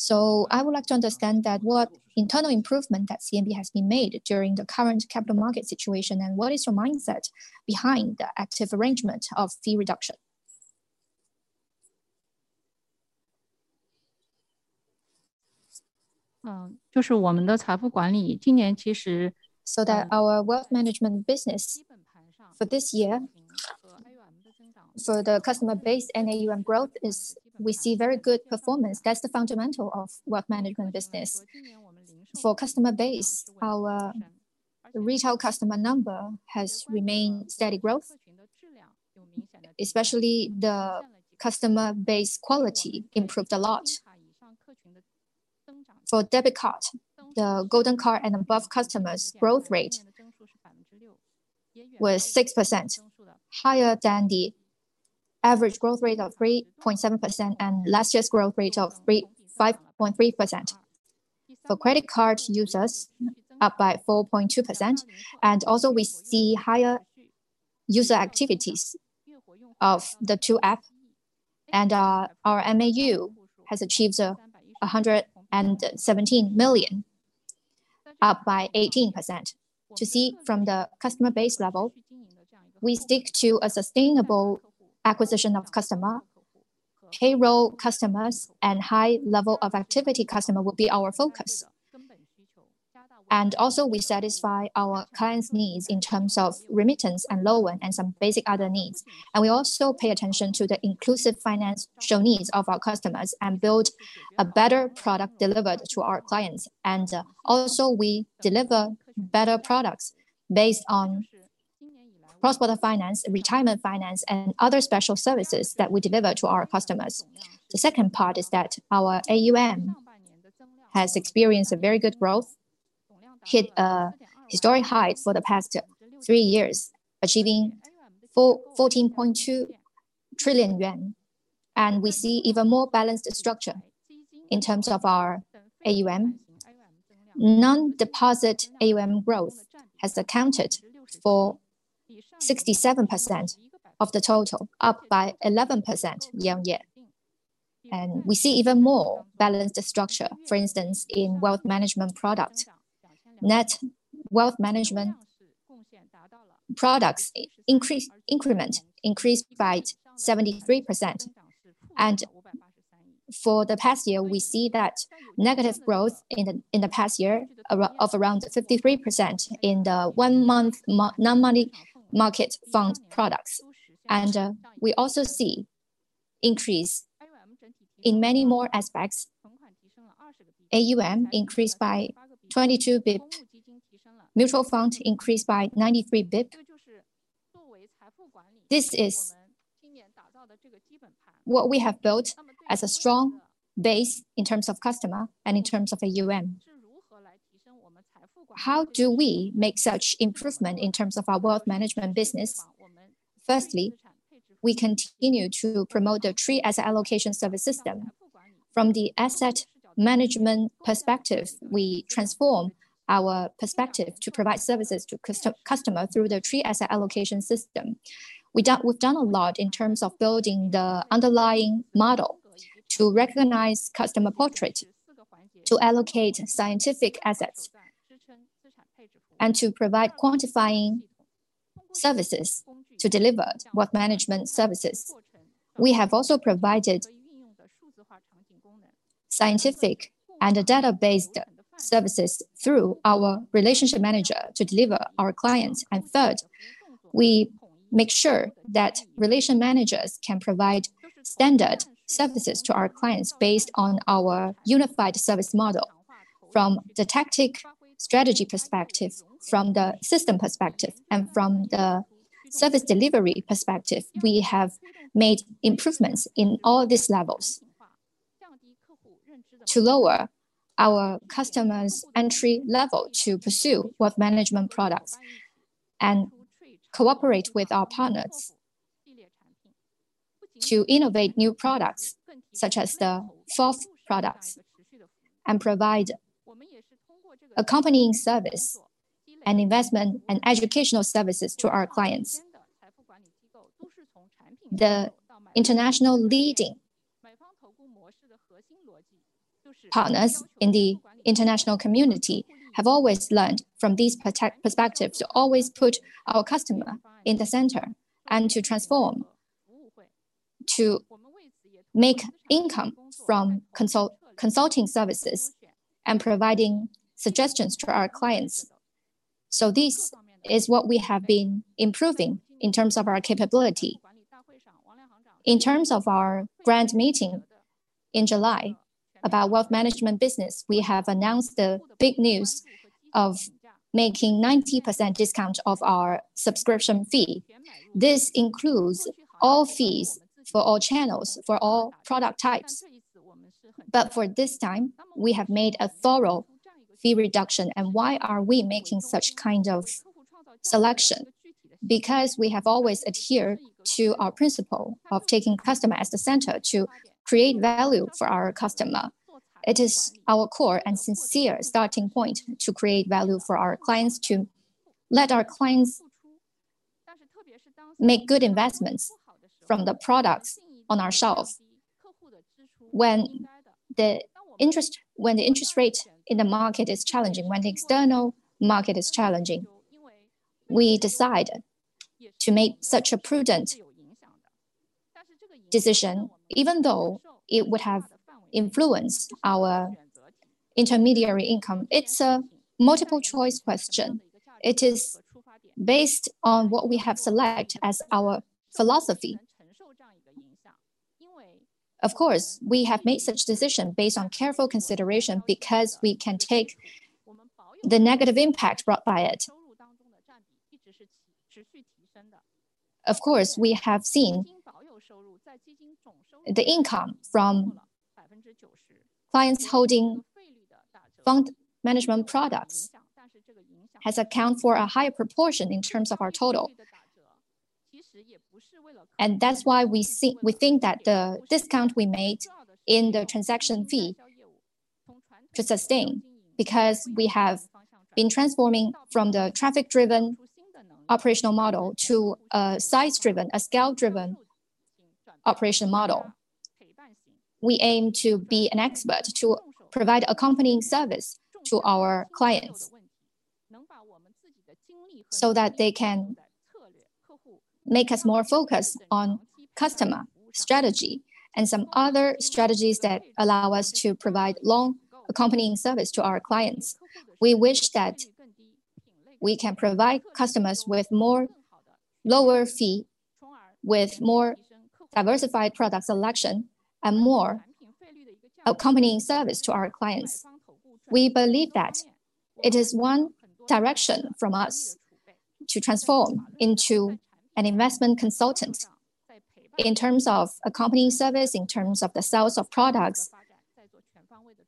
So I would like to understand that what internal improvement that CMB has been made during the current capital market situation, and what is your mindset behind the active arrangement of fee reduction? So that our wealth management business for this year, for the customer base and AUM growth is we see very good performance. That's the fundamental of wealth management business. For customer base, our the retail customer number has remained steady growth, especially the customer base quality improved a lot. For debit card, the Gold Card and above customers' growth rate was 6%, higher than the average growth rate of 3.7% and last year's growth rate of 5.3%. For credit card users, up by 4.2%, and also we see higher user activities of the two app, and our MAU has achieved 117 million, up by 18%. To see from the customer base level, we stick to a sustainable acquisition of customer. Payroll customers and high level of activity customer will be our focus. And also, we satisfy our clients' needs in terms of remittance and loan and some basic other needs. We also pay attention to the inclusive financial needs of our customers and build a better product delivered to our clients. And, also, we deliver better products based on cross-border finance, retirement finance, and other special services that we deliver to our customers. The second part is that our AUM has experienced a very good growth, hit a historic height for the past three years, achieving 14.2 trillion yuan. We see even more balanced structure in terms of our AUM. Non-deposit AUM growth has accounted for 67% of the total, up by 11% year-on-year.... and we see even more balanced structure, for instance, in wealth management product. Net wealth management products increase, increment increased by 73%. And for the past year, we see that negative growth in the past year of around 53% in the one-month maturity non-money market fund products. And we also see increase in many more aspects. AUM increased by 22 basis points. Mutual fund increased by 93 basis points. This is what we have built as a strong base in terms of customer and in terms of AUM. How do we make such improvement in terms of our wealth management business? Firstly, we continue to promote the three asset allocation service system. From the asset management perspective, we transform our perspective to provide services to customer through the three asset allocation system. We've done a lot in terms of building the underlying model to recognize customer portrait, to allocate assets scientifically, and to provide quantified services to deliver wealth management services. We have also provided scientific and data-based services through our relationship manager to deliver to our clients, and third, we make sure that relationship managers can provide standard services to our clients based on our unified service model. From the tactical strategy perspective, from the system perspective, and from the service delivery perspective, we have made improvements in all these levels. To lower our customers' entry level to pursue wealth management products and cooperate with our partners to innovate new products, such as the fixed products, and provide accompanying service and investment and educational services to our clients. The international leading partners in the international community have always learned from these perfect perspectives, to always put our customer in the center, and to transform, to make income from consulting services and providing suggestions to our clients. So this is what we have been improving in terms of our capability. In terms of our brand meeting in July about wealth management business, we have announced the big news of making 90% discount of our subscription fee. This includes all fees for all channels, for all product types. But for this time, we have made a thorough fee reduction, and why are we making such kind of selection? Because we have always adhered to our principle of taking customer as the center to create value for our customer. It is our core and sincere starting point to create value for our clients, to let our clients make good investments from the products on our shelves. When the interest rate in the market is challenging, when the external market is challenging, we decide to make such a prudent decision, even though it would have influenced our intermediary income. It's a multiple-choice question. It is based on what we have select as our philosophy. Of course, we have made such decision based on careful consideration because we can take the negative impact brought by it. Of course, we have seen the income from clients holding fund management products has account for a higher proportion in terms of our total. And that's why we see, we think that the discount we made in the transaction fee to sustain, because we have been transforming from the traffic-driven operational model to a size-driven, a scale-driven operation model. We aim to be an expert, to provide accompanying service to our clients, so that they can make us more focused on customer strategy and some other strategies that allow us to provide long accompanying service to our clients. We wish that we can provide customers with more lower fee, with more diversified product selection, and more accompanying service to our clients. We believe that it is one direction from us to transform into an investment consultant. In terms of accompanying service, in terms of the sales of products,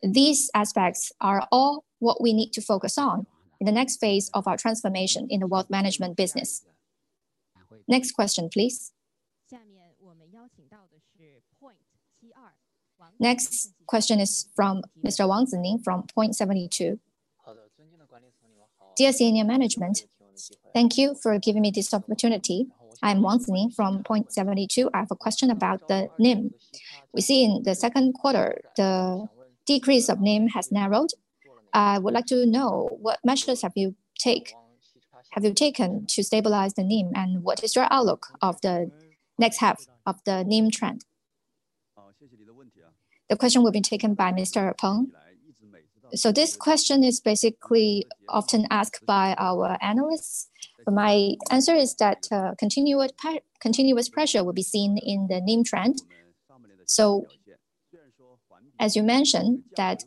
these aspects are all what we need to focus on in the next phase of our transformation in the wealth management business. Next question, please. Next question is from Mr. Wang Xin from Point72. Dear senior management, thank you for giving me this opportunity. I'm Wang Xin from Point72. I have a question about the NIM. We see in the second quarter, the decrease of NIM has narrowed. I would like to know, what measures have you taken to stabilize the NIM, and what is your outlook of the next half of the NIM trend? The question will be taken by Mr. Peng. So this question is basically often asked by our analysts. My answer is that, continuous pressure will be seen in the NIM trend. So as you mentioned, that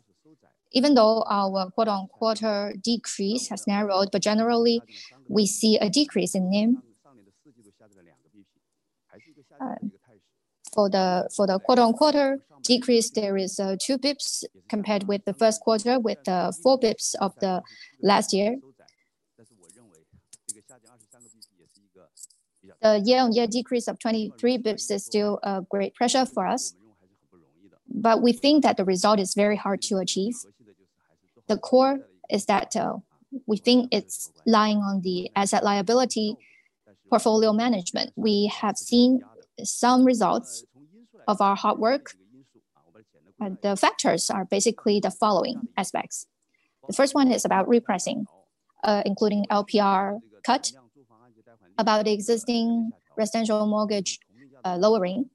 even though our quarter-on-quarter decrease has narrowed, but generally, we see a decrease in NIM. For the quarter-on-quarter decrease, there is two basis points compared with the first quarter, with the four basis points of the last year. The year-on-year decrease of 23 basis points is still a great pressure for us, but we think that the result is very hard to achieve. The core is that we think it's lying on the asset liability portfolio management. We have seen some results of our hard work, and the factors are basically the following aspects. The first one is about repricing, including LPR cut, about the existing residential mortgage lowering.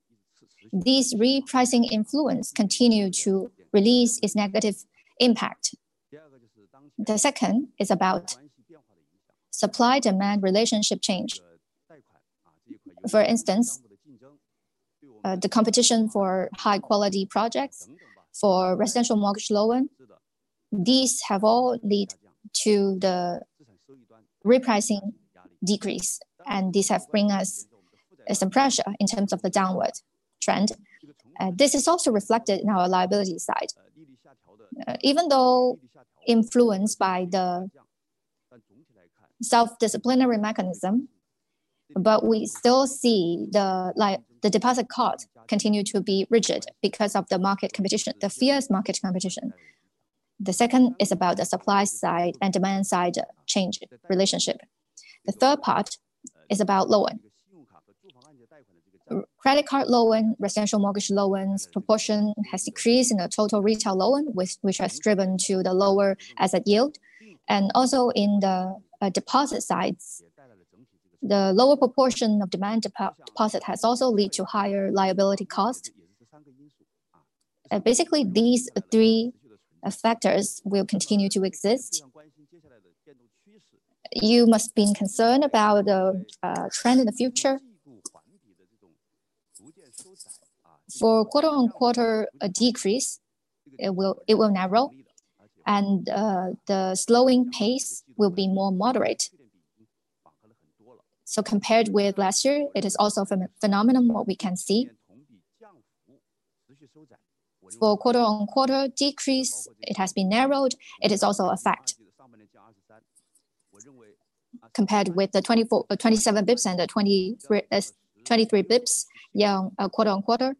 These repricing influence continue to release its negative impact. The second is about supply-demand relationship change. For instance, the competition for high-quality projects, for residential mortgage loan. These have all lead to the repricing decrease, and these have bring us some pressure in terms of the downward trend. This is also reflected in our liability side. Even though influenced by the self-disciplinary mechanism, but we still see the deposit cost continue to be rigid because of the market competition, the fierce market competition. The second is about the supply side and demand side change relationship. The third part is about loan. Credit card loan, residential mortgage loans proportion has decreased in the total retail loan, which has driven to the lower asset yield, and also in the deposit sides. The lower proportion of demand deposit has also lead to higher liability cost. Basically, these three factors will continue to exist. You must be concerned about the trend in the future. For quarter-on-quarter, a decrease, it will narrow, and the slowing pace will be more moderate. So compared with last year, it is also a phenomenon what we can see. For quarter on quarter decrease, it has been narrowed. It is also a fact. Compared with the 24, 27 basis points and the 23, 23 basis points, year on quarter-on-quarter.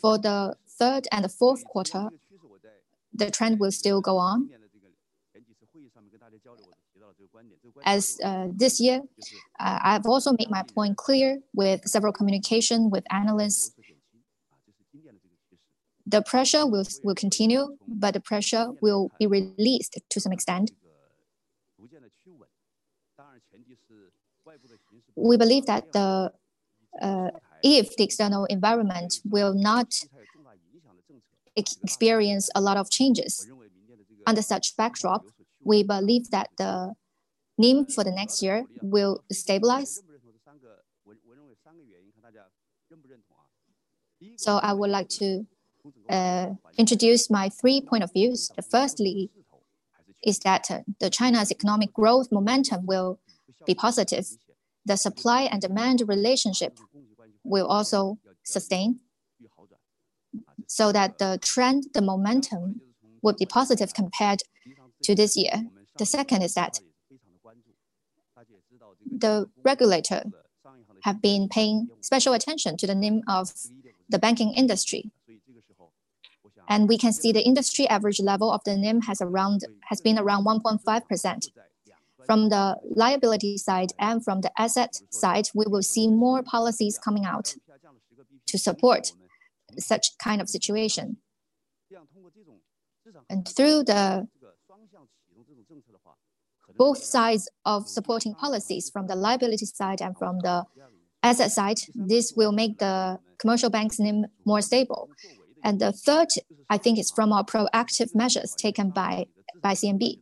For the third and the fourth quarter, the trend will still go on. As this year, I've also made my point clear with several communications with analysts. The pressure will continue, but the pressure will be released to some extent. We believe that if the external environment will not experience a lot of changes, under such backdrop, we believe that the NIM for the next year will stabilize. So I would like to introduce my three points of view. First is that China's economic growth momentum will be positive. The supply and demand relationship will also sustain, so that the trend, the momentum, will be positive compared to this year. The second is that the regulator have been paying special attention to the NIM of the banking industry, and we can see the industry average level of the NIM has been around 1.5%. From the liability side and from the asset side, we will see more policies coming out to support such kind of situation. And through both sides of supporting policies, from the liability side and from the asset side, this will make the commercial banks NIM more stable. And the third, I think, is from our proactive measures taken by CMB.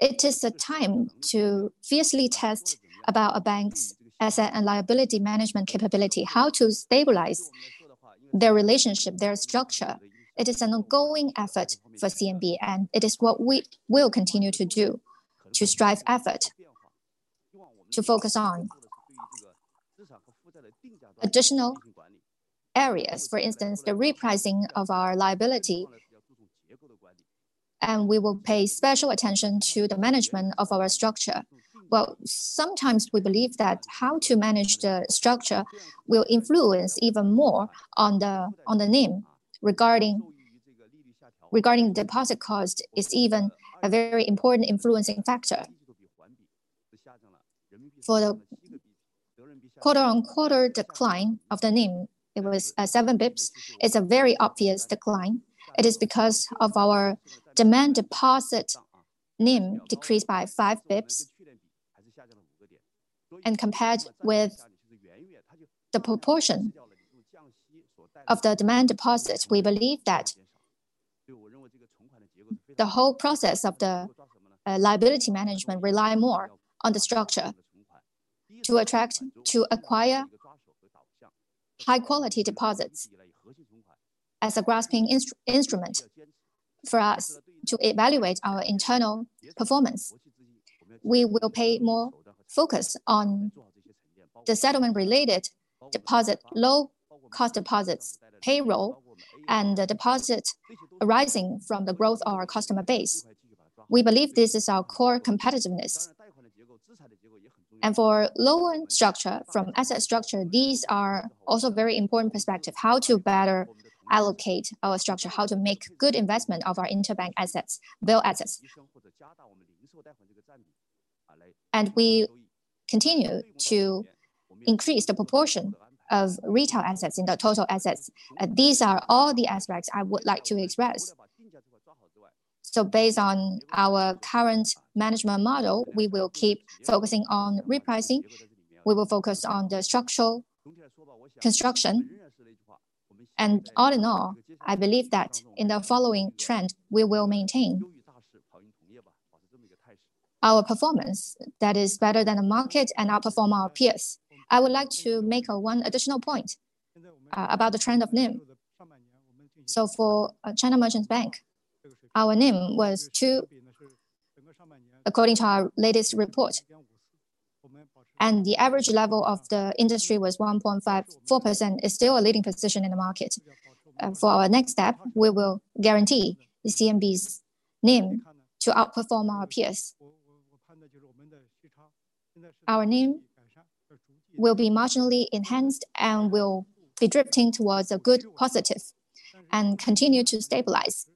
It is the time to fiercely test about a bank's asset and liability management capability, how to stabilize their relationship, their structure. It is an ongoing effort for CMB, and it is what we will continue to do to strive effort, to focus on additional areas, for instance, the repricing of our liability... and we will pay special attention to the management of our structure. Well, sometimes we believe that how to manage the structure will influence even more on the NIM, regarding deposit cost is even a very important influencing factor. For the quarter on quarter decline of the NIM, it was seven basis points. It's a very obvious decline. It is because of our demand deposit NIM decreased by five basis points. And compared with the proportion of the demand deposits, we believe that the whole process of the liability management rely more on the structure to attract, to acquire high-quality deposits as a grasping instrument. For us to evaluate our internal performance, we will pay more focus on the settlement-related deposit, low-cost deposits, payroll, and the deposit arising from the growth of our customer base. We believe this is our core competitiveness. And for loan structure, from asset structure, these are also very important perspective, how to better allocate our structure, how to make good investment of our interbank assets, build assets. And we continue to increase the proportion of retail assets in the total assets. These are all the aspects I would like to express. So based on our current management model, we will keep focusing on repricing, we will focus on the structural construction. And all in all, I believe that in the following trend, we will maintain our performance that is better than the market and outperform our peers. I would like to make one additional point about the trend of NIM. So for China Merchants Bank, our NIM was 2% according to our latest report, and the average level of the industry was 1.54%. This is still a leading position in the market. For our next step, we will guarantee the CMB's NIM to outperform our peers. Our NIM will be marginally enhanced and will be drifting towards a good positive and continue to stabilize.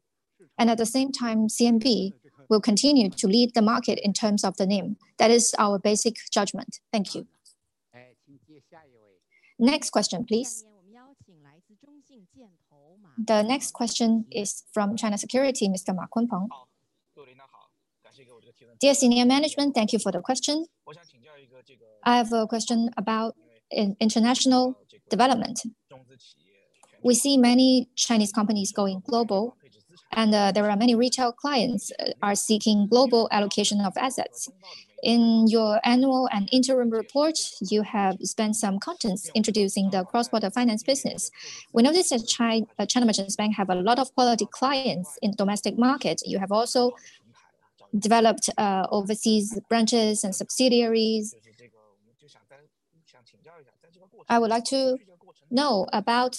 And at the same time, CMB will continue to lead the market in terms of the NIM. That is our basic judgment. Thank you. Next question, please. The next question is from China Securities, Mr. Ma Kunpeng. Dear senior management, thank you for the question. I have a question about international development. We see many Chinese companies going global, and there are many retail clients are seeking global allocation of assets. In your annual and interim report, you have spent some contents introducing the cross-border finance business. We know that China Merchants Bank have a lot of quality clients in domestic market. You have also developed overseas branches and subsidiaries. I would like to know about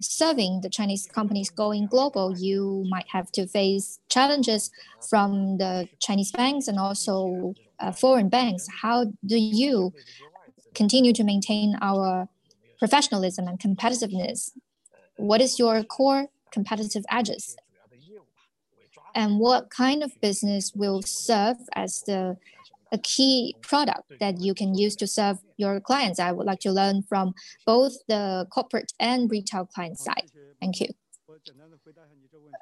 serving the Chinese companies going global. You might have to face challenges from the Chinese banks and also foreign banks. How do you continue to maintain our professionalism and competitiveness? What is your core competitive edges? And what kind of business will serve as a key product that you can use to serve your clients? I would like to learn from both the corporate and retail client side. Thank you.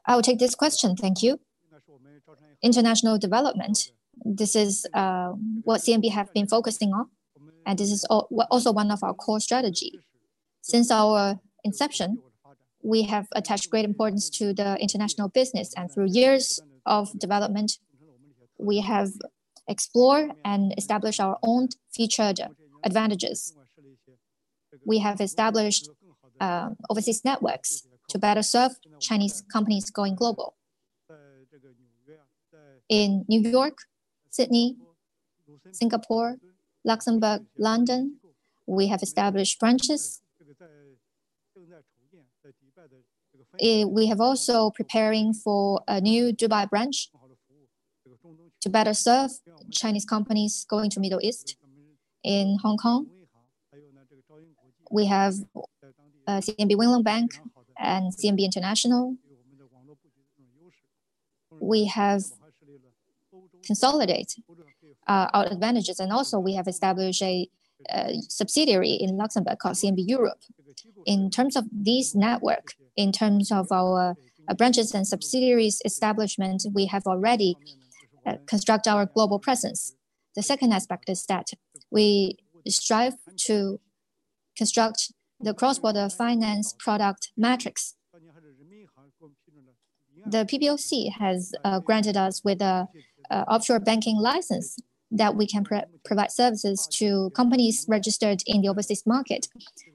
I will take this question. Thank you. International development, this is what CMB have been focusing on, and this is also one of our core strategy. Since our inception, we have attached great importance to the international business, and through years of development, we have explored and established our own featured advantages. We have established overseas networks to better serve Chinese companies going global. In New York, Sydney, Singapore, Luxembourg, London, we have established branches. We have also preparing for a new Dubai branch to better serve Chinese companies going to Middle East. In Hong Kong, we have CMB Wing Lung Bank and CMB International. We have consolidate our advantages, and also we have established a subsidiary in Luxembourg called CMB Europe. In terms of this network, in terms of our branches and subsidiaries establishment, we have already construct our global presence. The second aspect is that we strive to construct the cross-border finance product metrics. The PBOC has granted us with an offshore banking license that we can provide services to companies registered in the overseas market.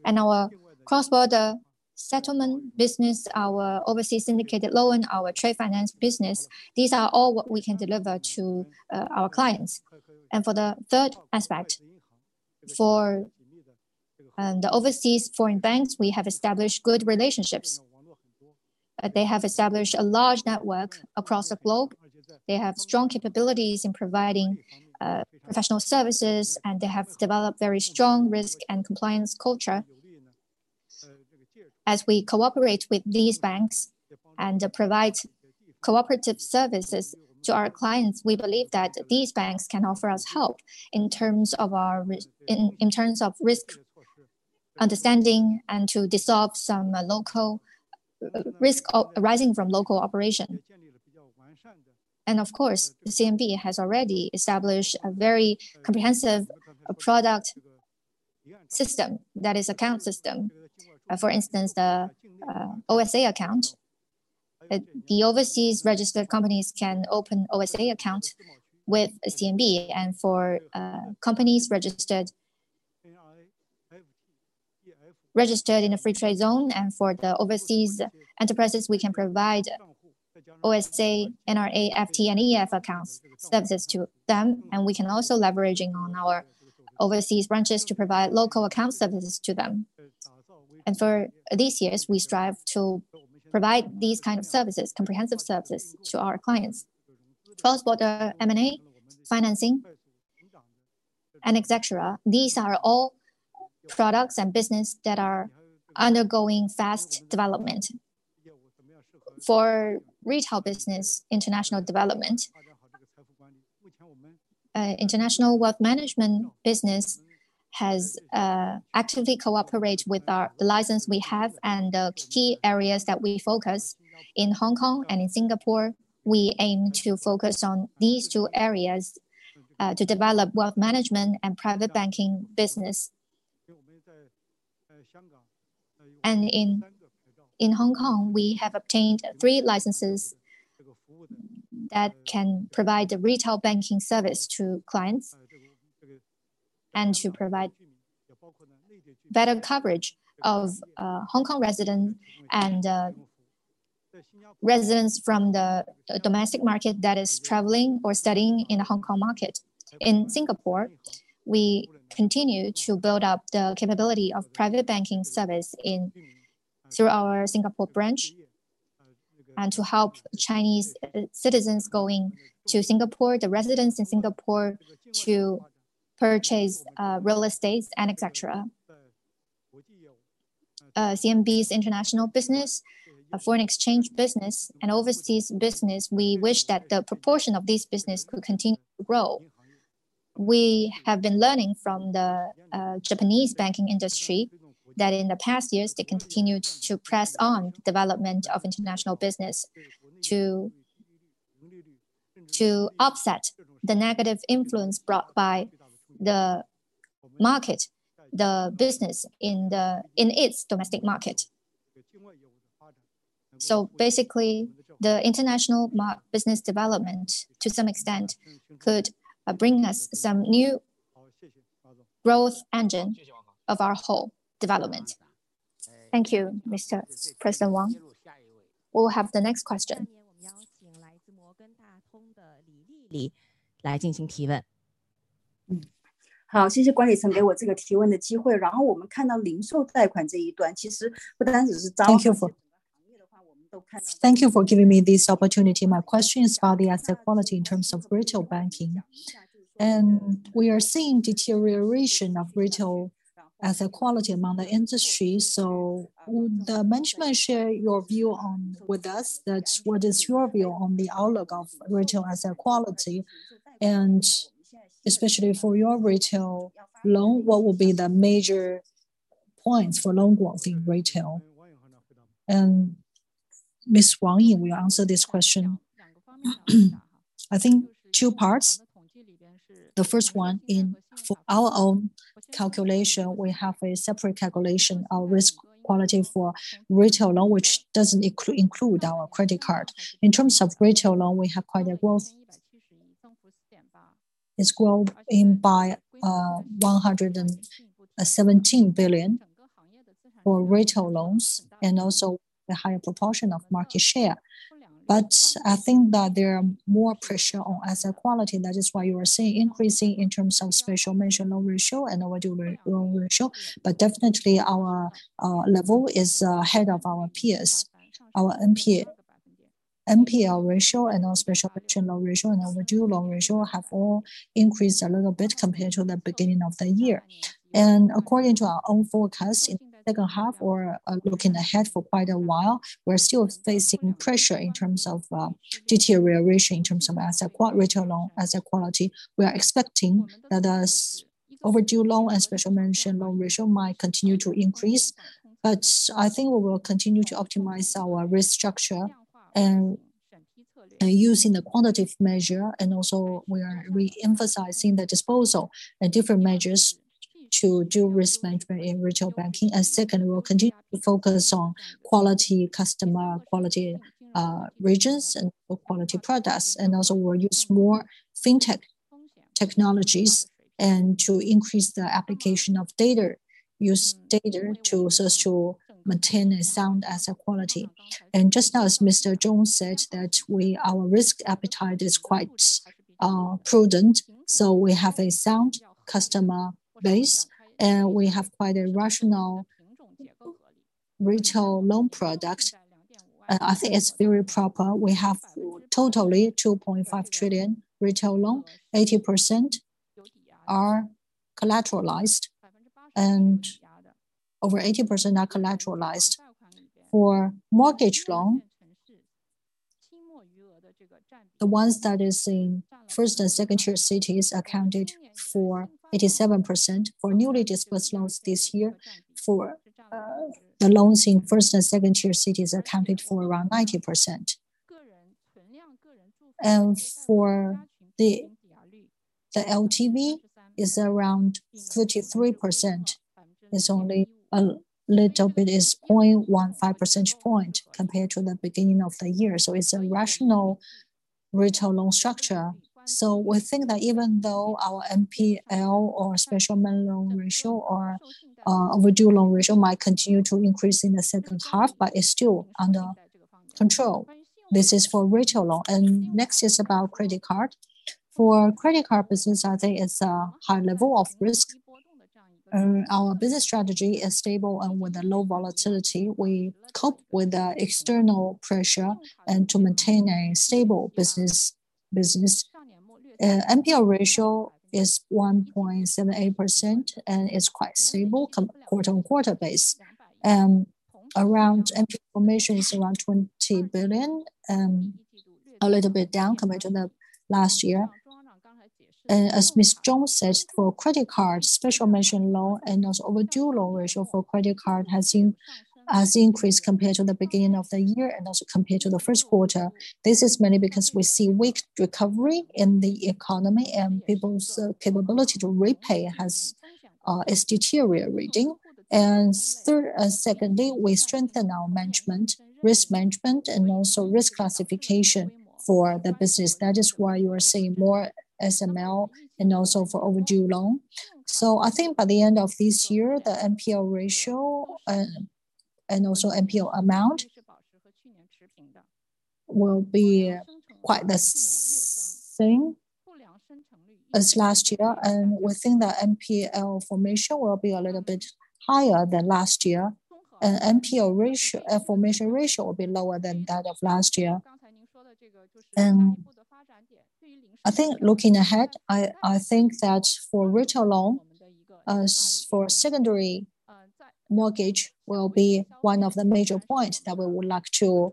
And our cross-border settlement business, our overseas syndicated loan, our trade finance business, these are all what we can deliver to our clients. And for the third aspect, and the overseas foreign banks, we have established good relationships. They have established a large network across the globe. They have strong capabilities in providing professional services, and they have developed very strong risk and compliance culture. As we cooperate with these banks and provide cooperative services to our clients, we believe that these banks can offer us help in terms of our risk understanding and to dissolve some local risk arising from local operation. And of course, CMB has already established a very comprehensive product system, that is, account system. For instance, the OSA account. The overseas registered companies can open OSA account with CMB, and for companies registered in a free trade zone, and for the overseas enterprises, we can provide OSA, NRA, FT, and EF accounts services to them, and we can also leveraging on our overseas branches to provide local account services to them. And for these years, we strive to provide these kind of services, comprehensive services, to our clients. Cross-border M&A, financing, and et cetera, these are all products and business that are undergoing fast development. For retail business, international development, international wealth management business has actively cooperate with our license we have and the key areas that we focus. In Hong Kong and in Singapore, we aim to focus on these two areas to develop wealth management and private banking business. And in Hong Kong, we have obtained three licenses that can provide the retail banking service to clients, and to provide better coverage of Hong Kong resident and residents from the domestic market that is traveling or studying in the Hong Kong market. In Singapore, we continue to build up the capability of private banking service through our Singapore branch, and to help Chinese citizens going to Singapore, the residents in Singapore, to purchase real estates and et cetera. CMB's international business, foreign exchange business, and overseas business, we wish that the proportion of this business will continue to grow. We have been learning from the Japanese banking industry, that in the past years, they continued to press on development of international business to offset the negative influence brought by the market, the business in its domestic market. So basically, the international business development, to some extent, could bring us some new growth engine of our whole development. Thank you, Mr. President Wang. We'll have the next question. Thank you for giving me this opportunity. My question is about the asset quality in terms of retail banking. And we are seeing deterioration of retail asset quality among the industry, so would the management share your view on... with us? That's, what is your view on the outlook of retail asset quality, and especially for your retail loan, what will be the major points for loan growth in retail? Ms. Wang Ying will answer this question. I think two parts. The first one, in for our own calculation, we have a separate calculation of risk quality for retail loan, which doesn't include our credit card. In terms of retail loan, we have quite a growth. It's grown in by 117 billion for retail loans, and also the higher proportion of market share. But I think that there are more pressure on asset quality. That is why you are seeing increasing in terms of special mention loan ratio and overdue loan ratio. But definitely, our level is ahead of our peers. Our NPA, NPL ratio and our special mention loan ratio and overdue loan ratio have all increased a little bit compared to the beginning of the year. And according to our own forecast, in the second half, looking ahead for quite a while, we're still facing pressure in terms of deterioration in terms of asset quality, retail loan asset quality. We are expecting that as overdue loan and special mention loan ratio might continue to increase, but I think we will continue to optimize our risk structure and using the quantitative measure, and also we are re-emphasizing the disposal and different measures to do risk management in retail banking. And second, we will continue to focus on quality customer, quality regions, and quality products. And also, we'll use more fintech technologies and to increase the application of data, use data to, so as to maintain a sound asset quality. And just as Mr. Zhong said that we, our risk appetite is quite prudent, so we have a sound customer base, and we have quite a rational retail loan product. I think it's very proper. We have totally 2.5 trillion retail loan, 80% are collateralized, and over 80% are collateralized. For mortgage loan, the ones that is in first and second tier cities accounted for 87%. For newly dispersed loans this year, for the loans in first and second tier cities accounted for around 90%. And for the LTV is around 33%, is only a little bit, is 0.15 percentage point compared to the beginning of the year. So it's a rational retail loan structure. We think that even though our NPL or special mention loan ratio or overdue loan ratio might continue to increase in the second half, but it's still under control. This is for retail loan, and next is about credit card. For credit card business, I think it's a high level of risk. Our business strategy is stable and with a low volatility. We cope with the external pressure and to maintain a stable business. NPL ratio is 1.78%, and it's quite stable quarter on quarter basis. Around NPL formation is around 20 billion, a little bit down compared to the last year. As Ms. Zhong says, for credit cards, special mention loan and also overdue loan ratio for credit card has increased compared to the beginning of the year and also compared to the first quarter. This is mainly because we see weak recovery in the economy, and people's capability to repay is deteriorating. Secondly, we strengthen our management, risk management, and also risk classification for the business. That is why you are seeing more SML and also for overdue loan. So I think by the end of this year, the NPL ratio and also NPL amount will be quite the same as last year, and we think the NPL formation will be a little bit higher than last year. And NPL ratio formation ratio will be lower than that of last year. I think looking ahead, I, I think that for retail loan, for secondary mortgage will be one of the major points that we would like to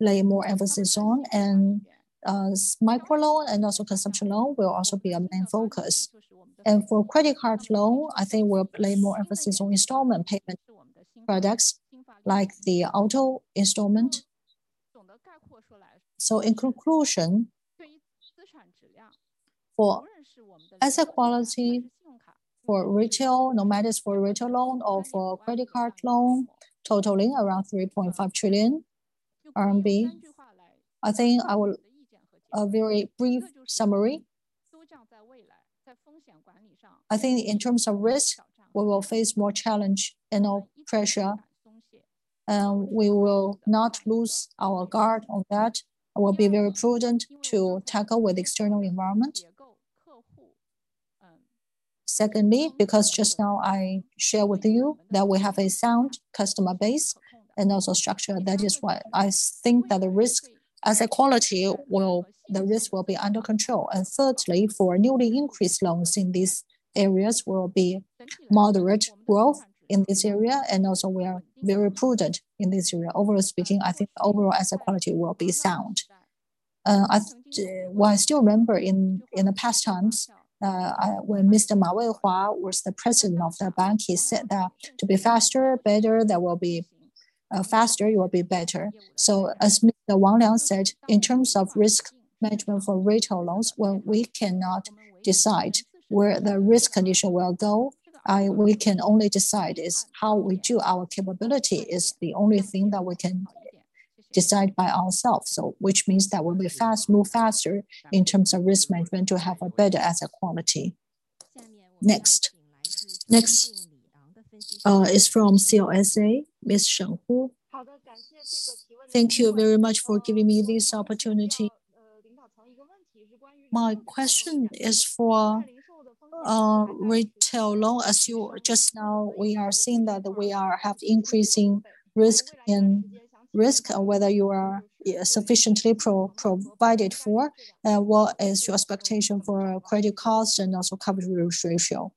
lay more emphasis on, and micro loan and also consumption loan will also be a main focus. For credit card loan, I think we'll play more emphasis on installment payment products, like the auto installment. In conclusion, for asset quality, for retail, no matter for retail loan or for credit card loan, totaling around 3.5 trillion RMB, I think I will. A very brief summary. I think in terms of risk, we will face more challenge and pressure, and we will not lose our guard on that, and we'll be very prudent to tackle with external environment. Secondly, because just now I share with you that we have a sound customer base and also structure, that is why I think that the risk, asset quality will be under control. And thirdly, for newly increased loans in these areas will be moderate growth in this area, and also we are very prudent in this area. Overall speaking, I think the overall asset quality will be sound. Well, I still remember in the past times when Mr. Ma Weihua was the President of the bank, he said that to be faster, better, there will be faster, you will be better. So as Wang Liang said, in terms of risk management for retail loans, when we cannot decide where the risk condition will go, we can only decide is how we do our capability is the only thing that we can decide by ourselves, so which means that we'll be fast, move faster in terms of risk management to have a better asset quality. Next is from CLSA, Miss Shen Hu. Thank you very much for giving me this opportunity. My question is for retail loan. As you just now, we are seeing that we have increasing risk, and whether you are sufficiently provided for, what is your expectation for credit costs and also coverage ratio?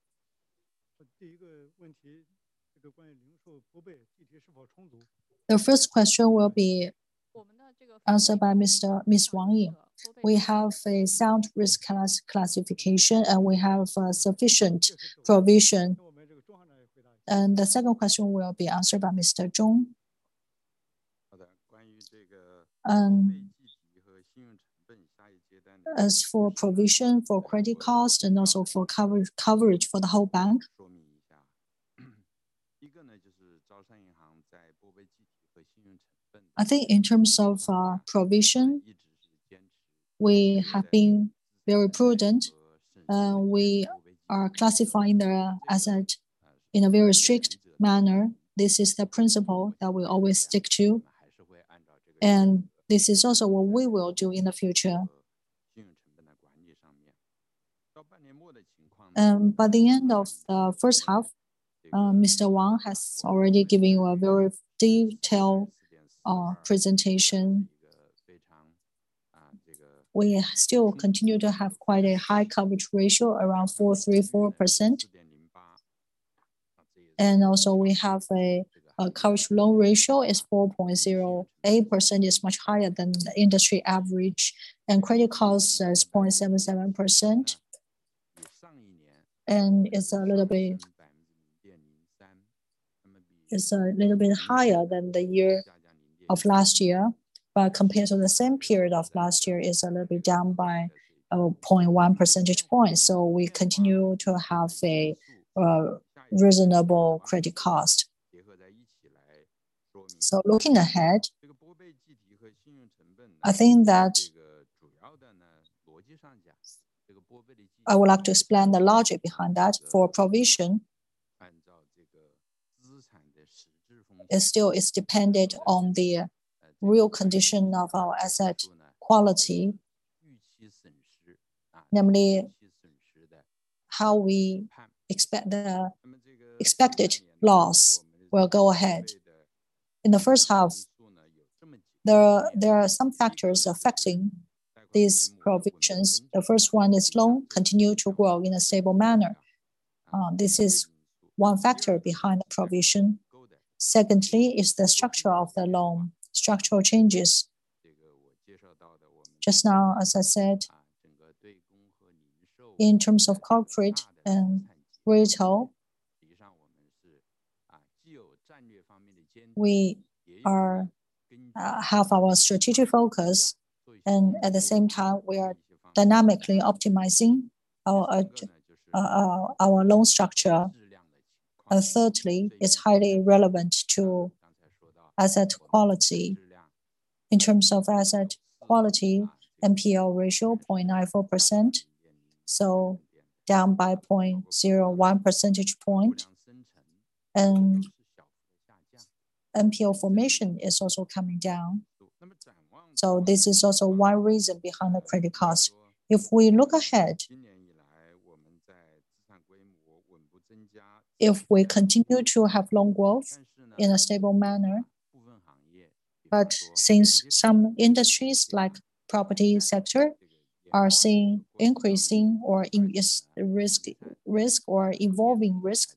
The first question will be answered by Miss Wang Ying. We have a sound risk classification, and we have sufficient provision. The second question will be answered by Mr. Zhong. As for provision for credit cost and also for coverage for the whole bank. I think in terms of provision, we have been very prudent. We are classifying the asset in a very strict manner. This is the principle that we always stick to, and this is also what we will do in the future. By the end of the first half, Mr. Wang has already given you a very detailed presentation. We still continue to have quite a high coverage ratio, around 434%. We also have a coverage loan ratio of 4.08%, which is much higher than the industry average, and credit cost is 0.77%. It's a little bit, it's a little bit higher than the year of last year. Compared to the same period of last year, it's a little bit down by 0.1 percentage point, so we continue to have a reasonable credit cost. Looking ahead, I think that I would like to explain the logic behind that. For provision, it still is dependent on the real condition of our asset quality, namely, how we expect the expected loss will go ahead. In the first half, there are some factors affecting these provisions. The first one is loan continue to grow in a stable manner. This is one factor behind the provision. Secondly is the structure of the loan, structural changes. Just now, as I said, in terms of corporate and retail, we are have our strategic focus, and at the same time, we are dynamically optimizing our our loan structure. And thirdly, it's highly relevant to asset quality. In terms of asset quality, NPL ratio 0.94%, so down by 0.01 percentage point. And NPL formation is also coming down, so this is also one reason behind the credit cost. If we look ahead, if we continue to have loan growth in a stable manner, but since some industries, like property sector, are seeing increasing or risk or evolving risk,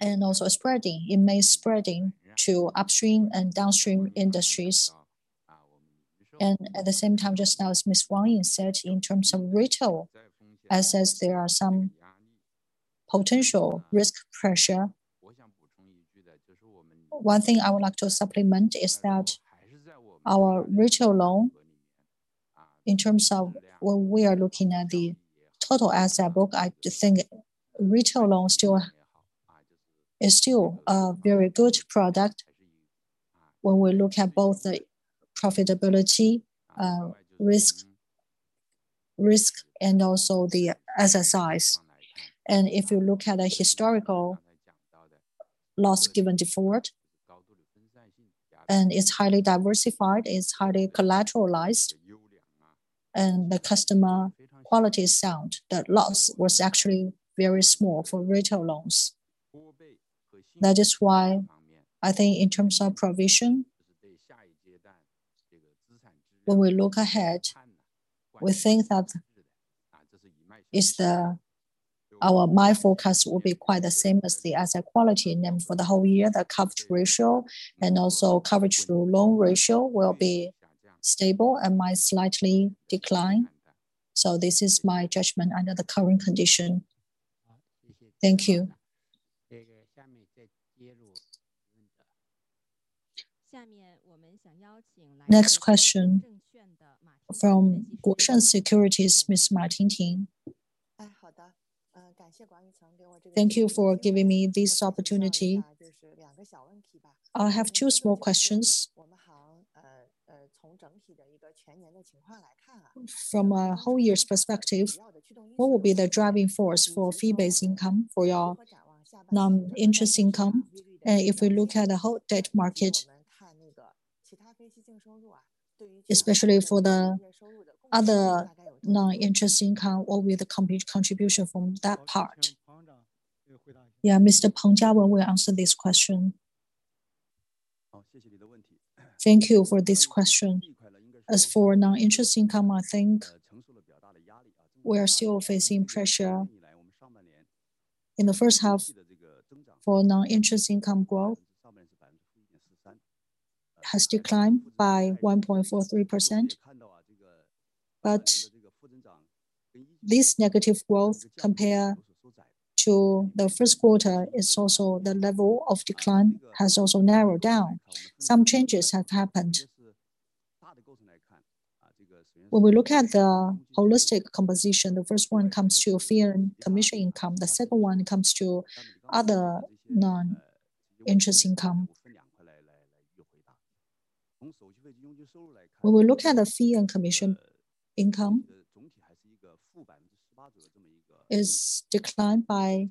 and also spreading, it may spreading to upstream and downstream industries. And at the same time, just as Miss Wang Ying said, in terms of retail assets, there are some potential risk pressure. One thing I would like to supplement is that our retail loan, in terms of when we are looking at the total asset book, I think retail loan still is still a very good product when we look at both the profitability, risk, and also the asset size. And if you look at the historical loss given default, and it's highly diversified, it's highly collateralized, and the customer quality is sound, the loss was actually very small for retail loans. That is why I think in terms of provision, when we look ahead, we think that is the... Our, my forecast will be quite the same as the asset quality, and then for the whole year, the coverage ratio and also coverage to loan ratio will be stable and might slightly decline. So this is my judgment under the current condition. Thank you. Next question from Guosheng Securities, Miss Ma Tingting. Thank you for giving me this opportunity. I have two small questions. From a whole year's perspective, what will be the driving force for fee-based income for your non-interest income? And if we look at the whole debt market, especially for the other non-interest income, what will be the contribution from that part? Yeah, Mr. Peng Jiawen will answer this question. Thank you for this question. As for non-interest income, I think we are still facing pressure. In the first half, for non-interest income growth has declined by 1.43%. But this negative growth, compared to the first quarter, is also the level of decline has also narrowed down. Some changes have happened. When we look at the holistic composition, the first one comes to fee and commission income, the second one comes to other non-interest income. When we look at the fee and commission income, it's declined by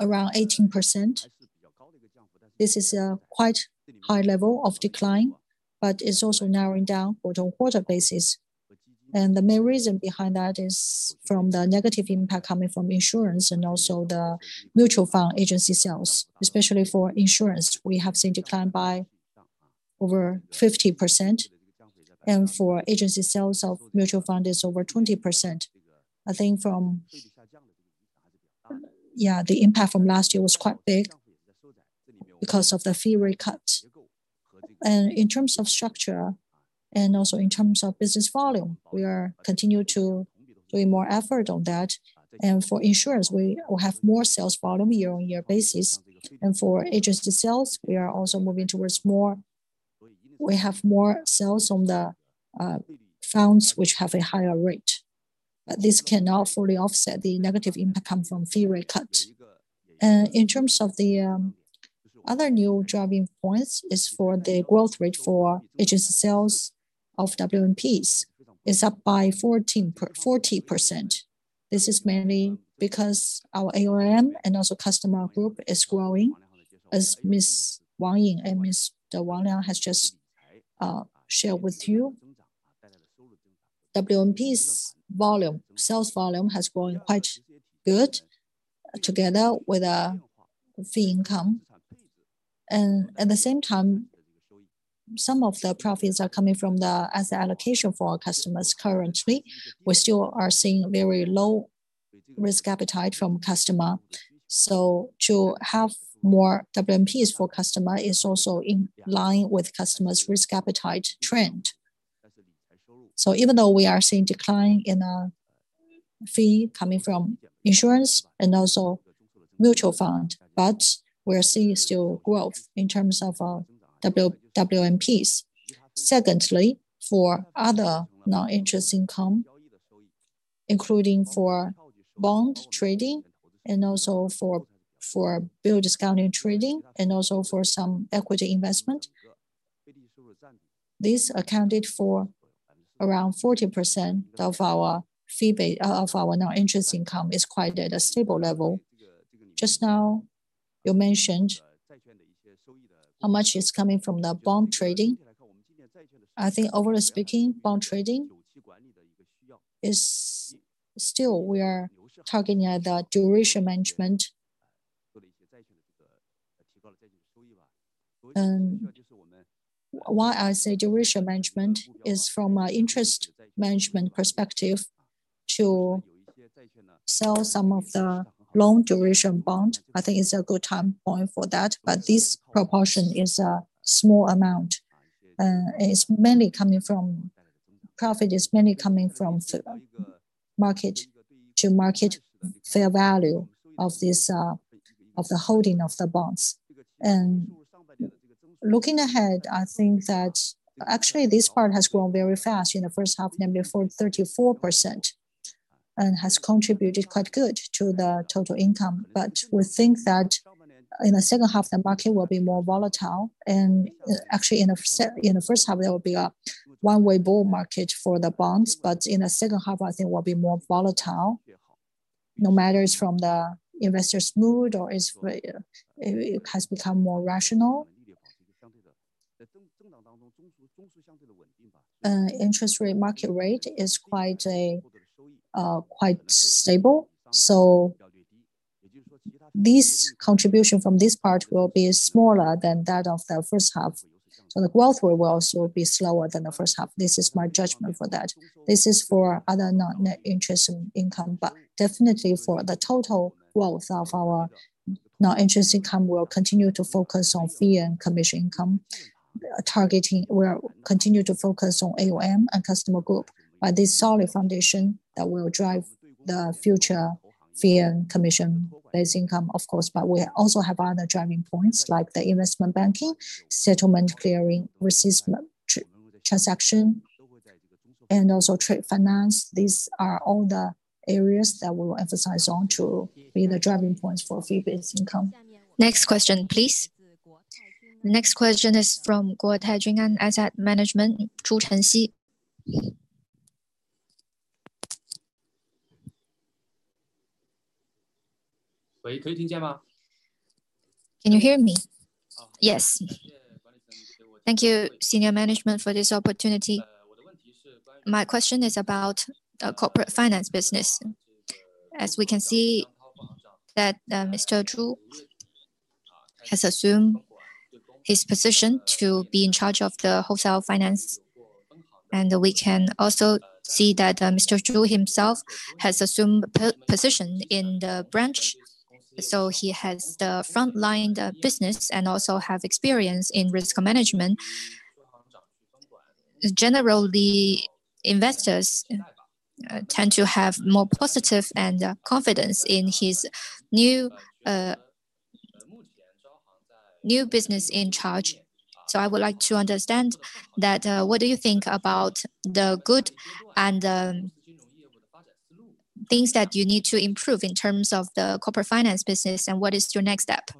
around 18%. This is a quite high level of decline, but it's also narrowing down quarter on quarter basis, and the main reason behind that is from the negative impact coming from insurance and also the mutual fund agency sales. Especially for insurance, we have seen decline by over 50%, and for agency sales of mutual fund is over 20%. I think. Yeah, the impact from last year was quite big because of the fee rate cut, and in terms of structure and also in terms of business volume, we are continue to doing more effort on that, and for insurance, we will have more sales volume year-on-year basis. And for agency sales, we are also moving towards more. We have more sales on the funds which have a higher rate. But this cannot fully offset the negative impact coming from fee rate cut. In terms of the other new driving points is for the growth rate for agency sales of WMPs, is up by 40%. This is mainly because our AUM and also customer group is growing, as Ms. Wang Ying and Mr. Wang Liang has just shared with you. WMPs volume, sales volume has grown quite good, together with fee income. And at the same time, some of the profits are coming from the asset allocation for our customers. Currently, we still are seeing very low risk appetite from customer. So to have more WMPs for customer is also in line with customer's risk appetite trend. Even though we are seeing decline in our fee coming from insurance and also mutual fund, but we are seeing still growth in terms of our W-WMPs. Secondly, for other non-interest income, including bond trading and also for bill discounting trading, and also for some equity investment, this accounted for around 40% of our fee-based of our non-interest income, is quite at a stable level. Just now, you mentioned how much is coming from the bond trading. I think overall speaking, bond trading is still we are targeting at the duration management. Why I say duration management is from an interest management perspective to sell some of the long duration bond. I think it's a good time point for that, but this proportion is a small amount. It's mainly coming from profit, mainly from mark-to-market fair value of the holding of the bonds. And looking ahead, I think that actually this part has grown very fast in the first half, namely 34%, and has contributed quite good to the total income. But we think that in the second half, the market will be more volatile. And actually in the first half there will be a one-way bull market for the bonds, but in the second half I think it will be more volatile, no matter it's from the investors' mood or it has become more rational. Interest rate market rate is quite stable, so this contribution from this part will be smaller than that of the first half, so the growth rate will also be slower than the first half. This is my judgment for that. This is for other non-net interest income, but definitely for the total growth of our non-interest income, we'll continue to focus on fee and commission income. We'll continue to focus on AUM and customer group, by this solid foundation that will drive the future fee and commission-based income, of course, but we also have other driving points, like the investment banking, settlement clearing, risk management, transaction, and also trade finance. These are all the areas that we'll emphasize on to be the driving points for fee-based income. Next question, please. Next question is from Guotai Junan Asset Management, Zhu Chenxi. Can you hear me? Yes. Thank you, senior management, for this opportunity. My question is about the corporate finance business. As we can see that, Mr. Zhu has assumed his position to be in charge of the wholesale finance. And we can also see that, Mr. Zhu himself has assumed position in the branch, so he has the front line, business and also have experience in risk management. Generally, investors tend to have more positive and confidence in his new business in charge. So I would like to understand that, what do you think about the good and things that you need to improve in terms of the corporate finance business, and what is your next step?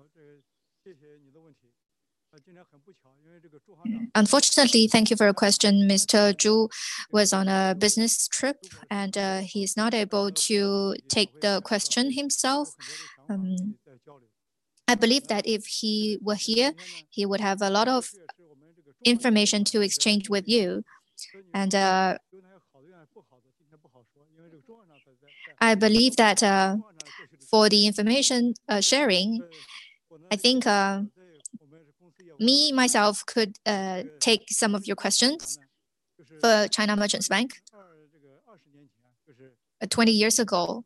Unfortunately, thank you for your question. Mr. Zhu was on a business trip, and he's not able to take the question himself. I believe that if he were here, he would have a lot of information to exchange with you. I believe that for the information sharing, I think me myself could take some of your questions for China Merchants Bank. 20 years ago,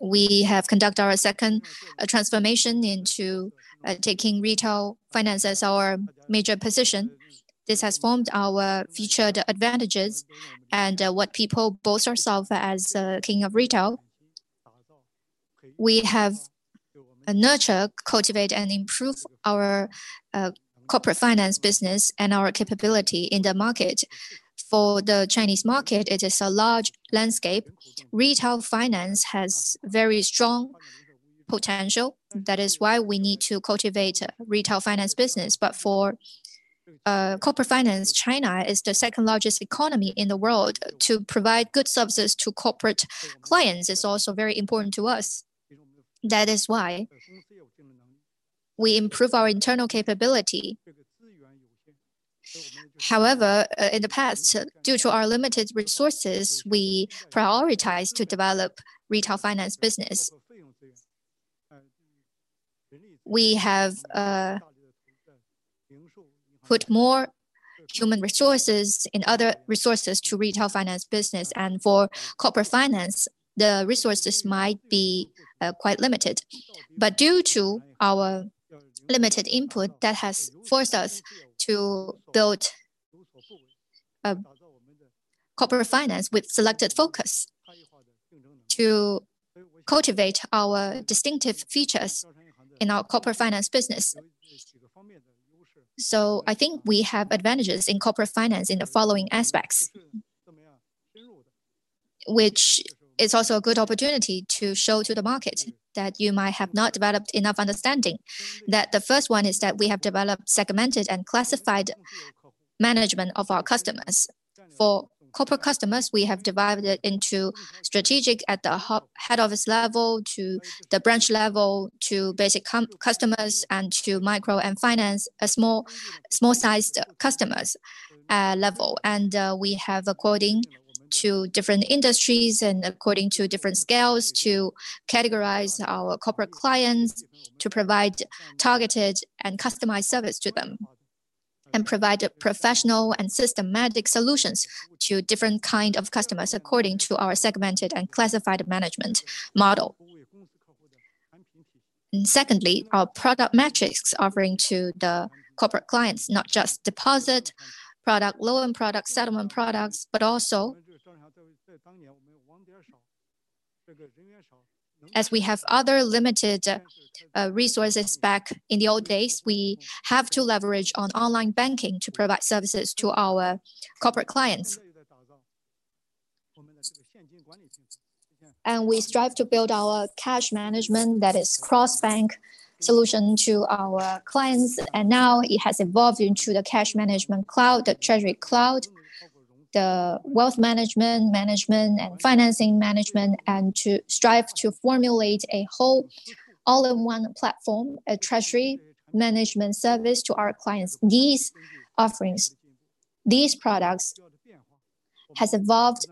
we have conduct our second transformation into taking retail finance as our major position. This has formed our featured advantages and what people boast ourselves as king of retail. We have nurture, cultivate, and improve our corporate finance business and our capability in the market. For the Chinese market, it is a large landscape. Retail finance has very strong potential. That is why we need to cultivate retail finance business. But for corporate finance, China is the second-largest economy in the world. To provide good services to corporate clients is also very important to us. That is why we improve our internal capability. However, in the past, due to our limited resources, we prioritized to develop retail finance business. We have put more human resources and other resources to retail finance business, and for corporate finance, the resources might be quite limited. But due to our limited input, that has forced us to build a corporate finance with selected focus to cultivate our distinctive features in our corporate finance business. So I think we have advantages in corporate finance in the following aspects, which is also a good opportunity to show to the market that you might have not developed enough understanding. The first one is that we have developed segmented and classified management of our customers. For corporate customers, we have divided it into strategic at the head office level, to the branch level, to basic customers, and to micro and finance, small-sized customers, level. And we have according to different industries and according to different scales, to categorize our corporate clients, to provide targeted and customized service to them, and provide a professional and systematic solutions to different kind of customers according to our segmented and classified management model. And secondly, our product metrics offering to the corporate clients, not just deposit product, loan product, settlement products, but also. As we have other limited resources back in the old days, we have to leverage on online banking to provide services to our corporate clients. We strive to build our cash management that is cross-bank solution to our clients, and now it has evolved into the cash management cloud, the treasury cloud, the wealth management, management and financing management, and to strive to formulate a whole all-in-one platform, a treasury management service to our clients. These offerings, these products, has evolved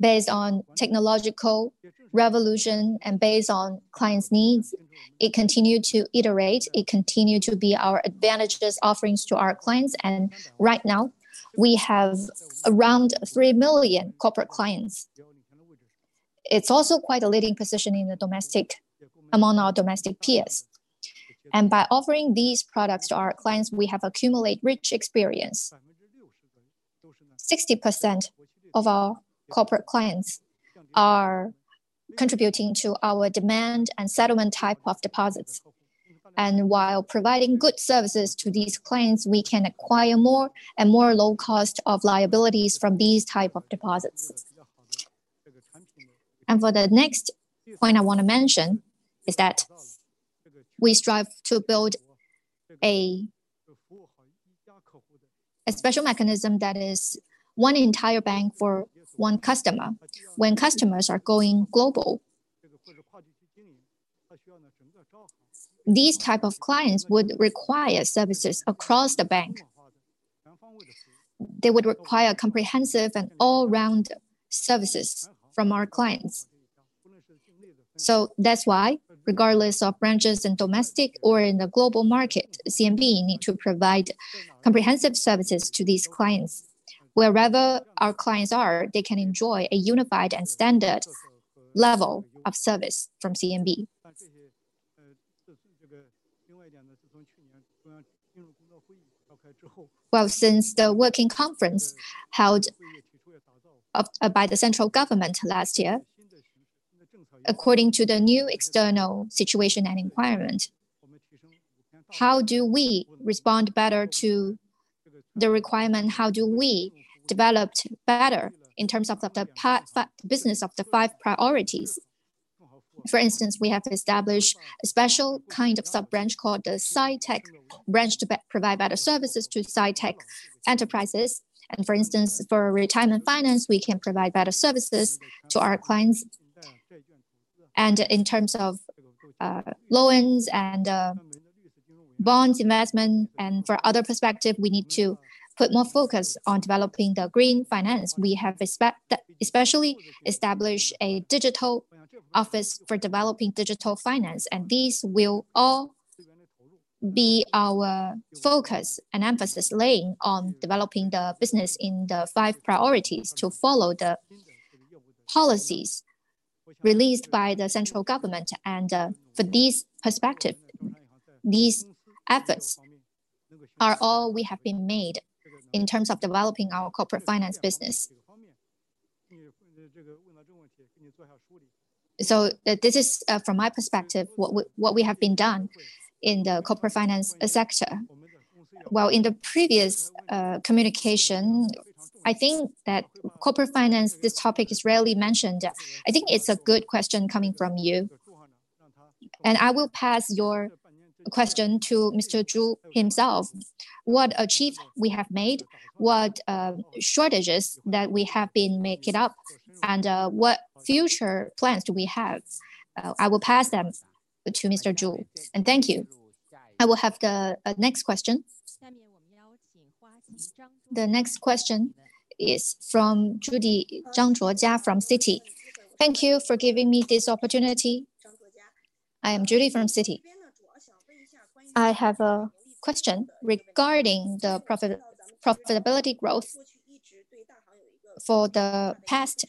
based on technological revolution and based on clients' needs. It continued to iterate, it continued to be our advantages offerings to our clients, and right now, we have around three million corporate clients. It's also quite a leading position in the domestic... among our domestic peers. By offering these products to our clients, we have accumulate rich experience. 60% of our corporate clients are contributing to our demand and settlement type of deposits, and while providing good services to these clients, we can acquire more and more low cost of liabilities from these type of deposits. And for the next point I want to mention, is that we strive to build a special mechanism that is one entire bank for one customer. When customers are going global, these type of clients would require services across the bank. They would require comprehensive and all-round services from our clients. So that's why, regardless of branches in domestic or in the global market, CMB need to provide comprehensive services to these clients. Wherever our clients are, they can enjoy a unified and standard level of service from CMB. Since the working conference held by the central government last year, according to the new external situation and environment, how do we respond better to the requirement? How do we developed better in terms of the party finance business of the five priorities? For instance, we have established a special kind of sub-branch called the SciTech branch, to provide better services to SciTech enterprises. For instance, for retirement finance, we can provide better services to our clients. In terms of loans and bonds investment, and for other perspective, we need to put more focus on developing the green finance. We have especially established a digital office for developing digital finance, and these will all be our focus and emphasis laying on developing the business in the five priorities to follow the policies released by the central government. And, for this perspective, these efforts are all we have been made in terms of developing our corporate finance business. So, this is, from my perspective, what we have been done in the corporate finance sector. While in the previous, communication, I think that corporate finance, this topic, is rarely mentioned. I think it's a good question coming from you, and I will pass your question to Mr. Zhu himself. What achievement we have made, what shortages that we have been making up, and, what future plans do we have? I will pass them to Mr. Zhu, and thank you. I will have the next question. The next question is from Judy Zhang from Citi. Thank you for giving me this opportunity. I am Judy from Citi. I have a question regarding the profitability growth. For the past,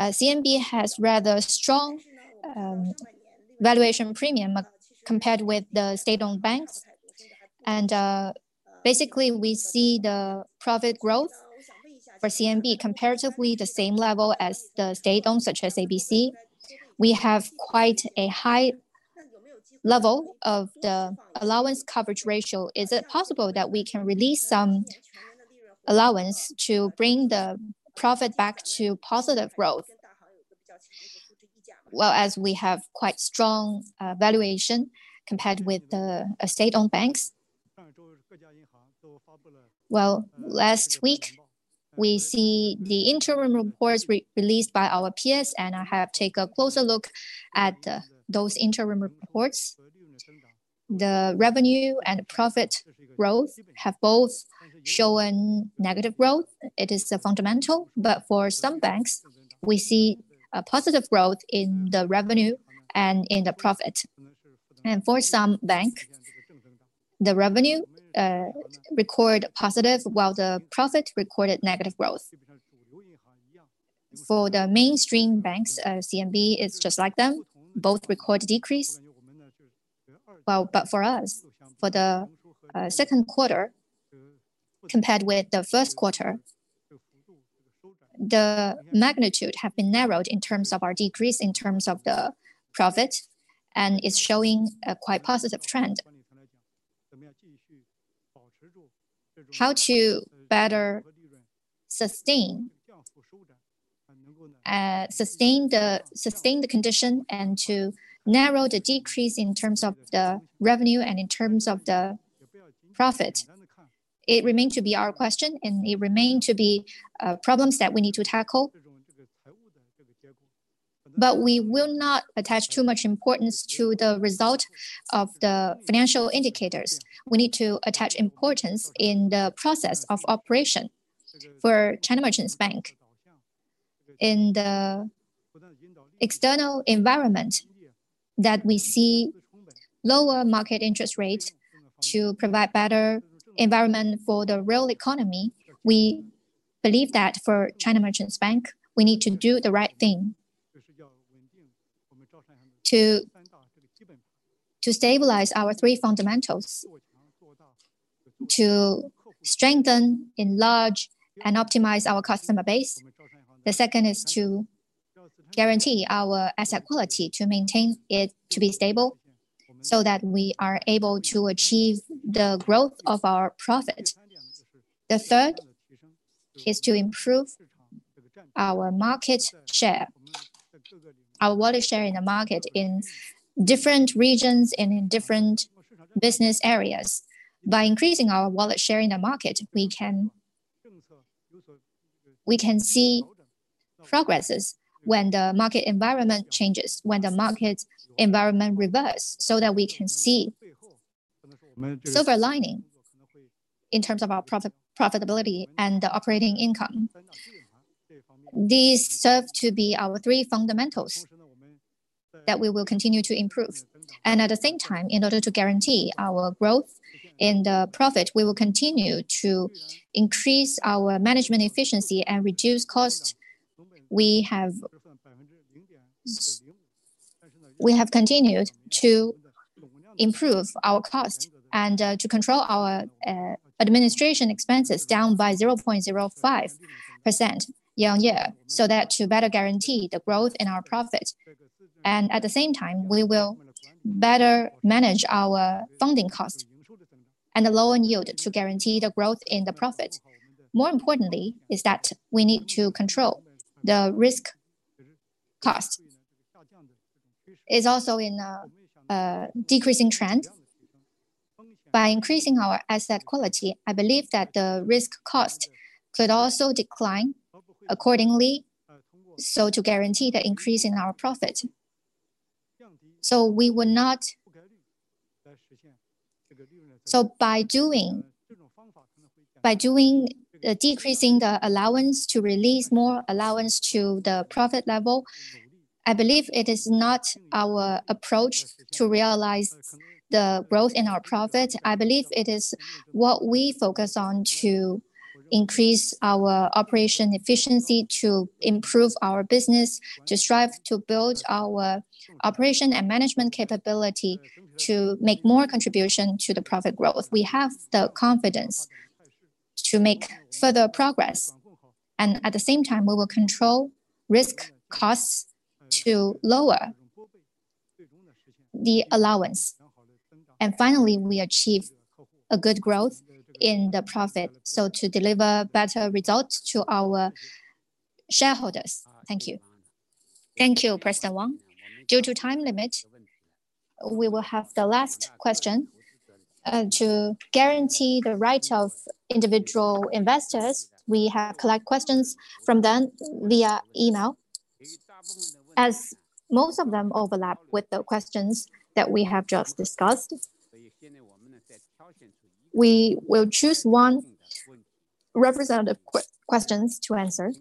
CMB has rather strong valuation premium compared with the state-owned banks. And, basically, we see the profit growth for CMB comparatively the same level as the state-owned, such as ABC. We have quite a high level of the allowance coverage ratio. Is it possible that we can release some allowance to bring the profit back to positive growth? As we have quite strong valuation compared with the state-owned banks. Last week, we see the interim reports released by our peers, and I have took a closer look at those interim reports. The revenue and profit growth have both shown negative growth. It is a fundamental, but for some banks, we see a positive growth in the revenue and in the profit. And for some bank, the revenue record positive, while the profit recorded negative growth. For the mainstream banks, CMB is just like them, both record decrease. Well, but for us, for the second quarter, compared with the first quarter, the magnitude have been narrowed in terms of our decrease, in terms of the profit, and it's showing a quite positive trend. How to better sustain the condition and to narrow the decrease in terms of the revenue and in terms of the profit, it remain to be our question, and it remain to be problems that we need to tackle. But we will not attach too much importance to the result of the financial indicators. We need to attach importance in the process of operation for China Merchants Bank. In the external environment, we see lower market interest rates to provide a better environment for the real economy. We believe that for China Merchants Bank, we need to do the right thing to stabilize our three fundamentals: to strengthen, enlarge, and optimize our customer base. The second is to guarantee our asset quality, to maintain it to be stable, so that we are able to achieve the growth of our profit. The third is to improve our market share, our wallet share in the market, in different regions and in different business areas. By increasing our wallet share in the market, we can see progress when the market environment changes, when the market environment reverses, so that we can see silver lining in terms of our profitability and the operating income. These serve to be our three fundamentals that we will continue to improve, and at the same time, in order to guarantee our growth and profit, we will continue to increase our management efficiency and reduce cost. We have continued to improve our cost and to control our administration expenses down by 0.05% year-on-year, so that to better guarantee the growth in our profit. And at the same time, we will better manage our funding cost and a lower yield to guarantee the growth in the profit. More importantly is that we need to control the risk cost. It is also in a decreasing trend. By increasing our asset quality, I believe that the risk cost could also decline accordingly, so to guarantee the increase in our profit. So by doing decreasing the allowance to release more allowance to the profit level, I believe it is not our approach to realize the growth in our profit. I believe it is what we focus on to increase our operation efficiency, to improve our business, to strive to build our operation and management capability, to make more contribution to the profit growth. We have the confidence to make further progress, and at the same time, we will control risk costs to lower the allowance. And finally, we achieve a good growth in the profit, so to deliver better results to our shareholders. Thank you. Thank you, President Wang. Due to time limit, we will have the last question. To guarantee the right of individual investors, we have collected questions from them via email. As most of them overlap with the questions that we have just discussed, we will choose one representative questions to answer.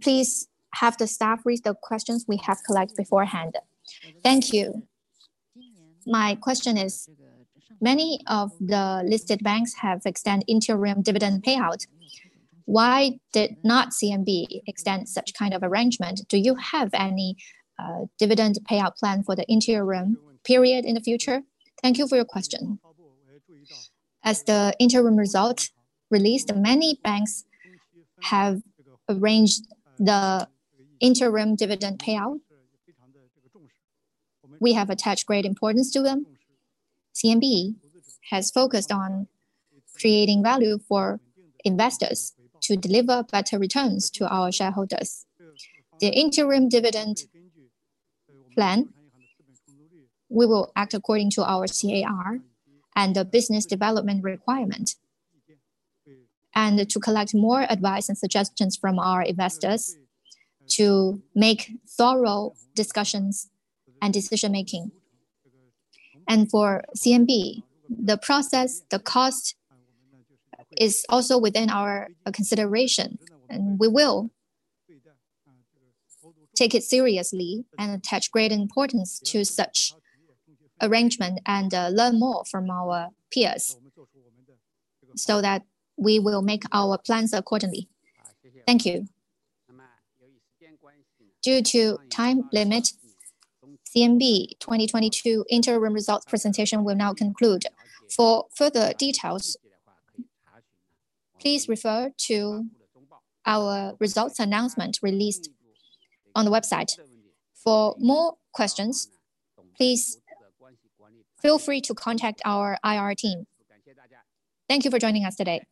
Please have the staff read the questions we have collected beforehand. Thank you. My question is, many of the listed banks have extended interim dividend payout. Why did not CMB extend such kind of arrangement? Do you have any, dividend payout plan for the interim period in the future? Thank you for your question. As the interim result, released, many banks have arranged the interim dividend payout. We have attached great importance to them. CMB has focused on creating value for investors to deliver better returns to our shareholders. The interim dividend plan, we will act according to our CAR and the business development requirement, and to collect more advice and suggestions from our investors to make thorough discussions and decision-making. For CMB, the process, the cost, is also within our consideration, and we will take it seriously and attach great importance to such arrangement, and learn more from our peers, so that we will make our plans accordingly. Thank you. Due to time limit, CMB 2022 interim results presentation will now conclude. For further details, please refer to our results announcement released on the website. For more questions, please feel free to contact our IR team. Thank you for joining us today.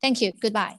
Thank you. Goodbye.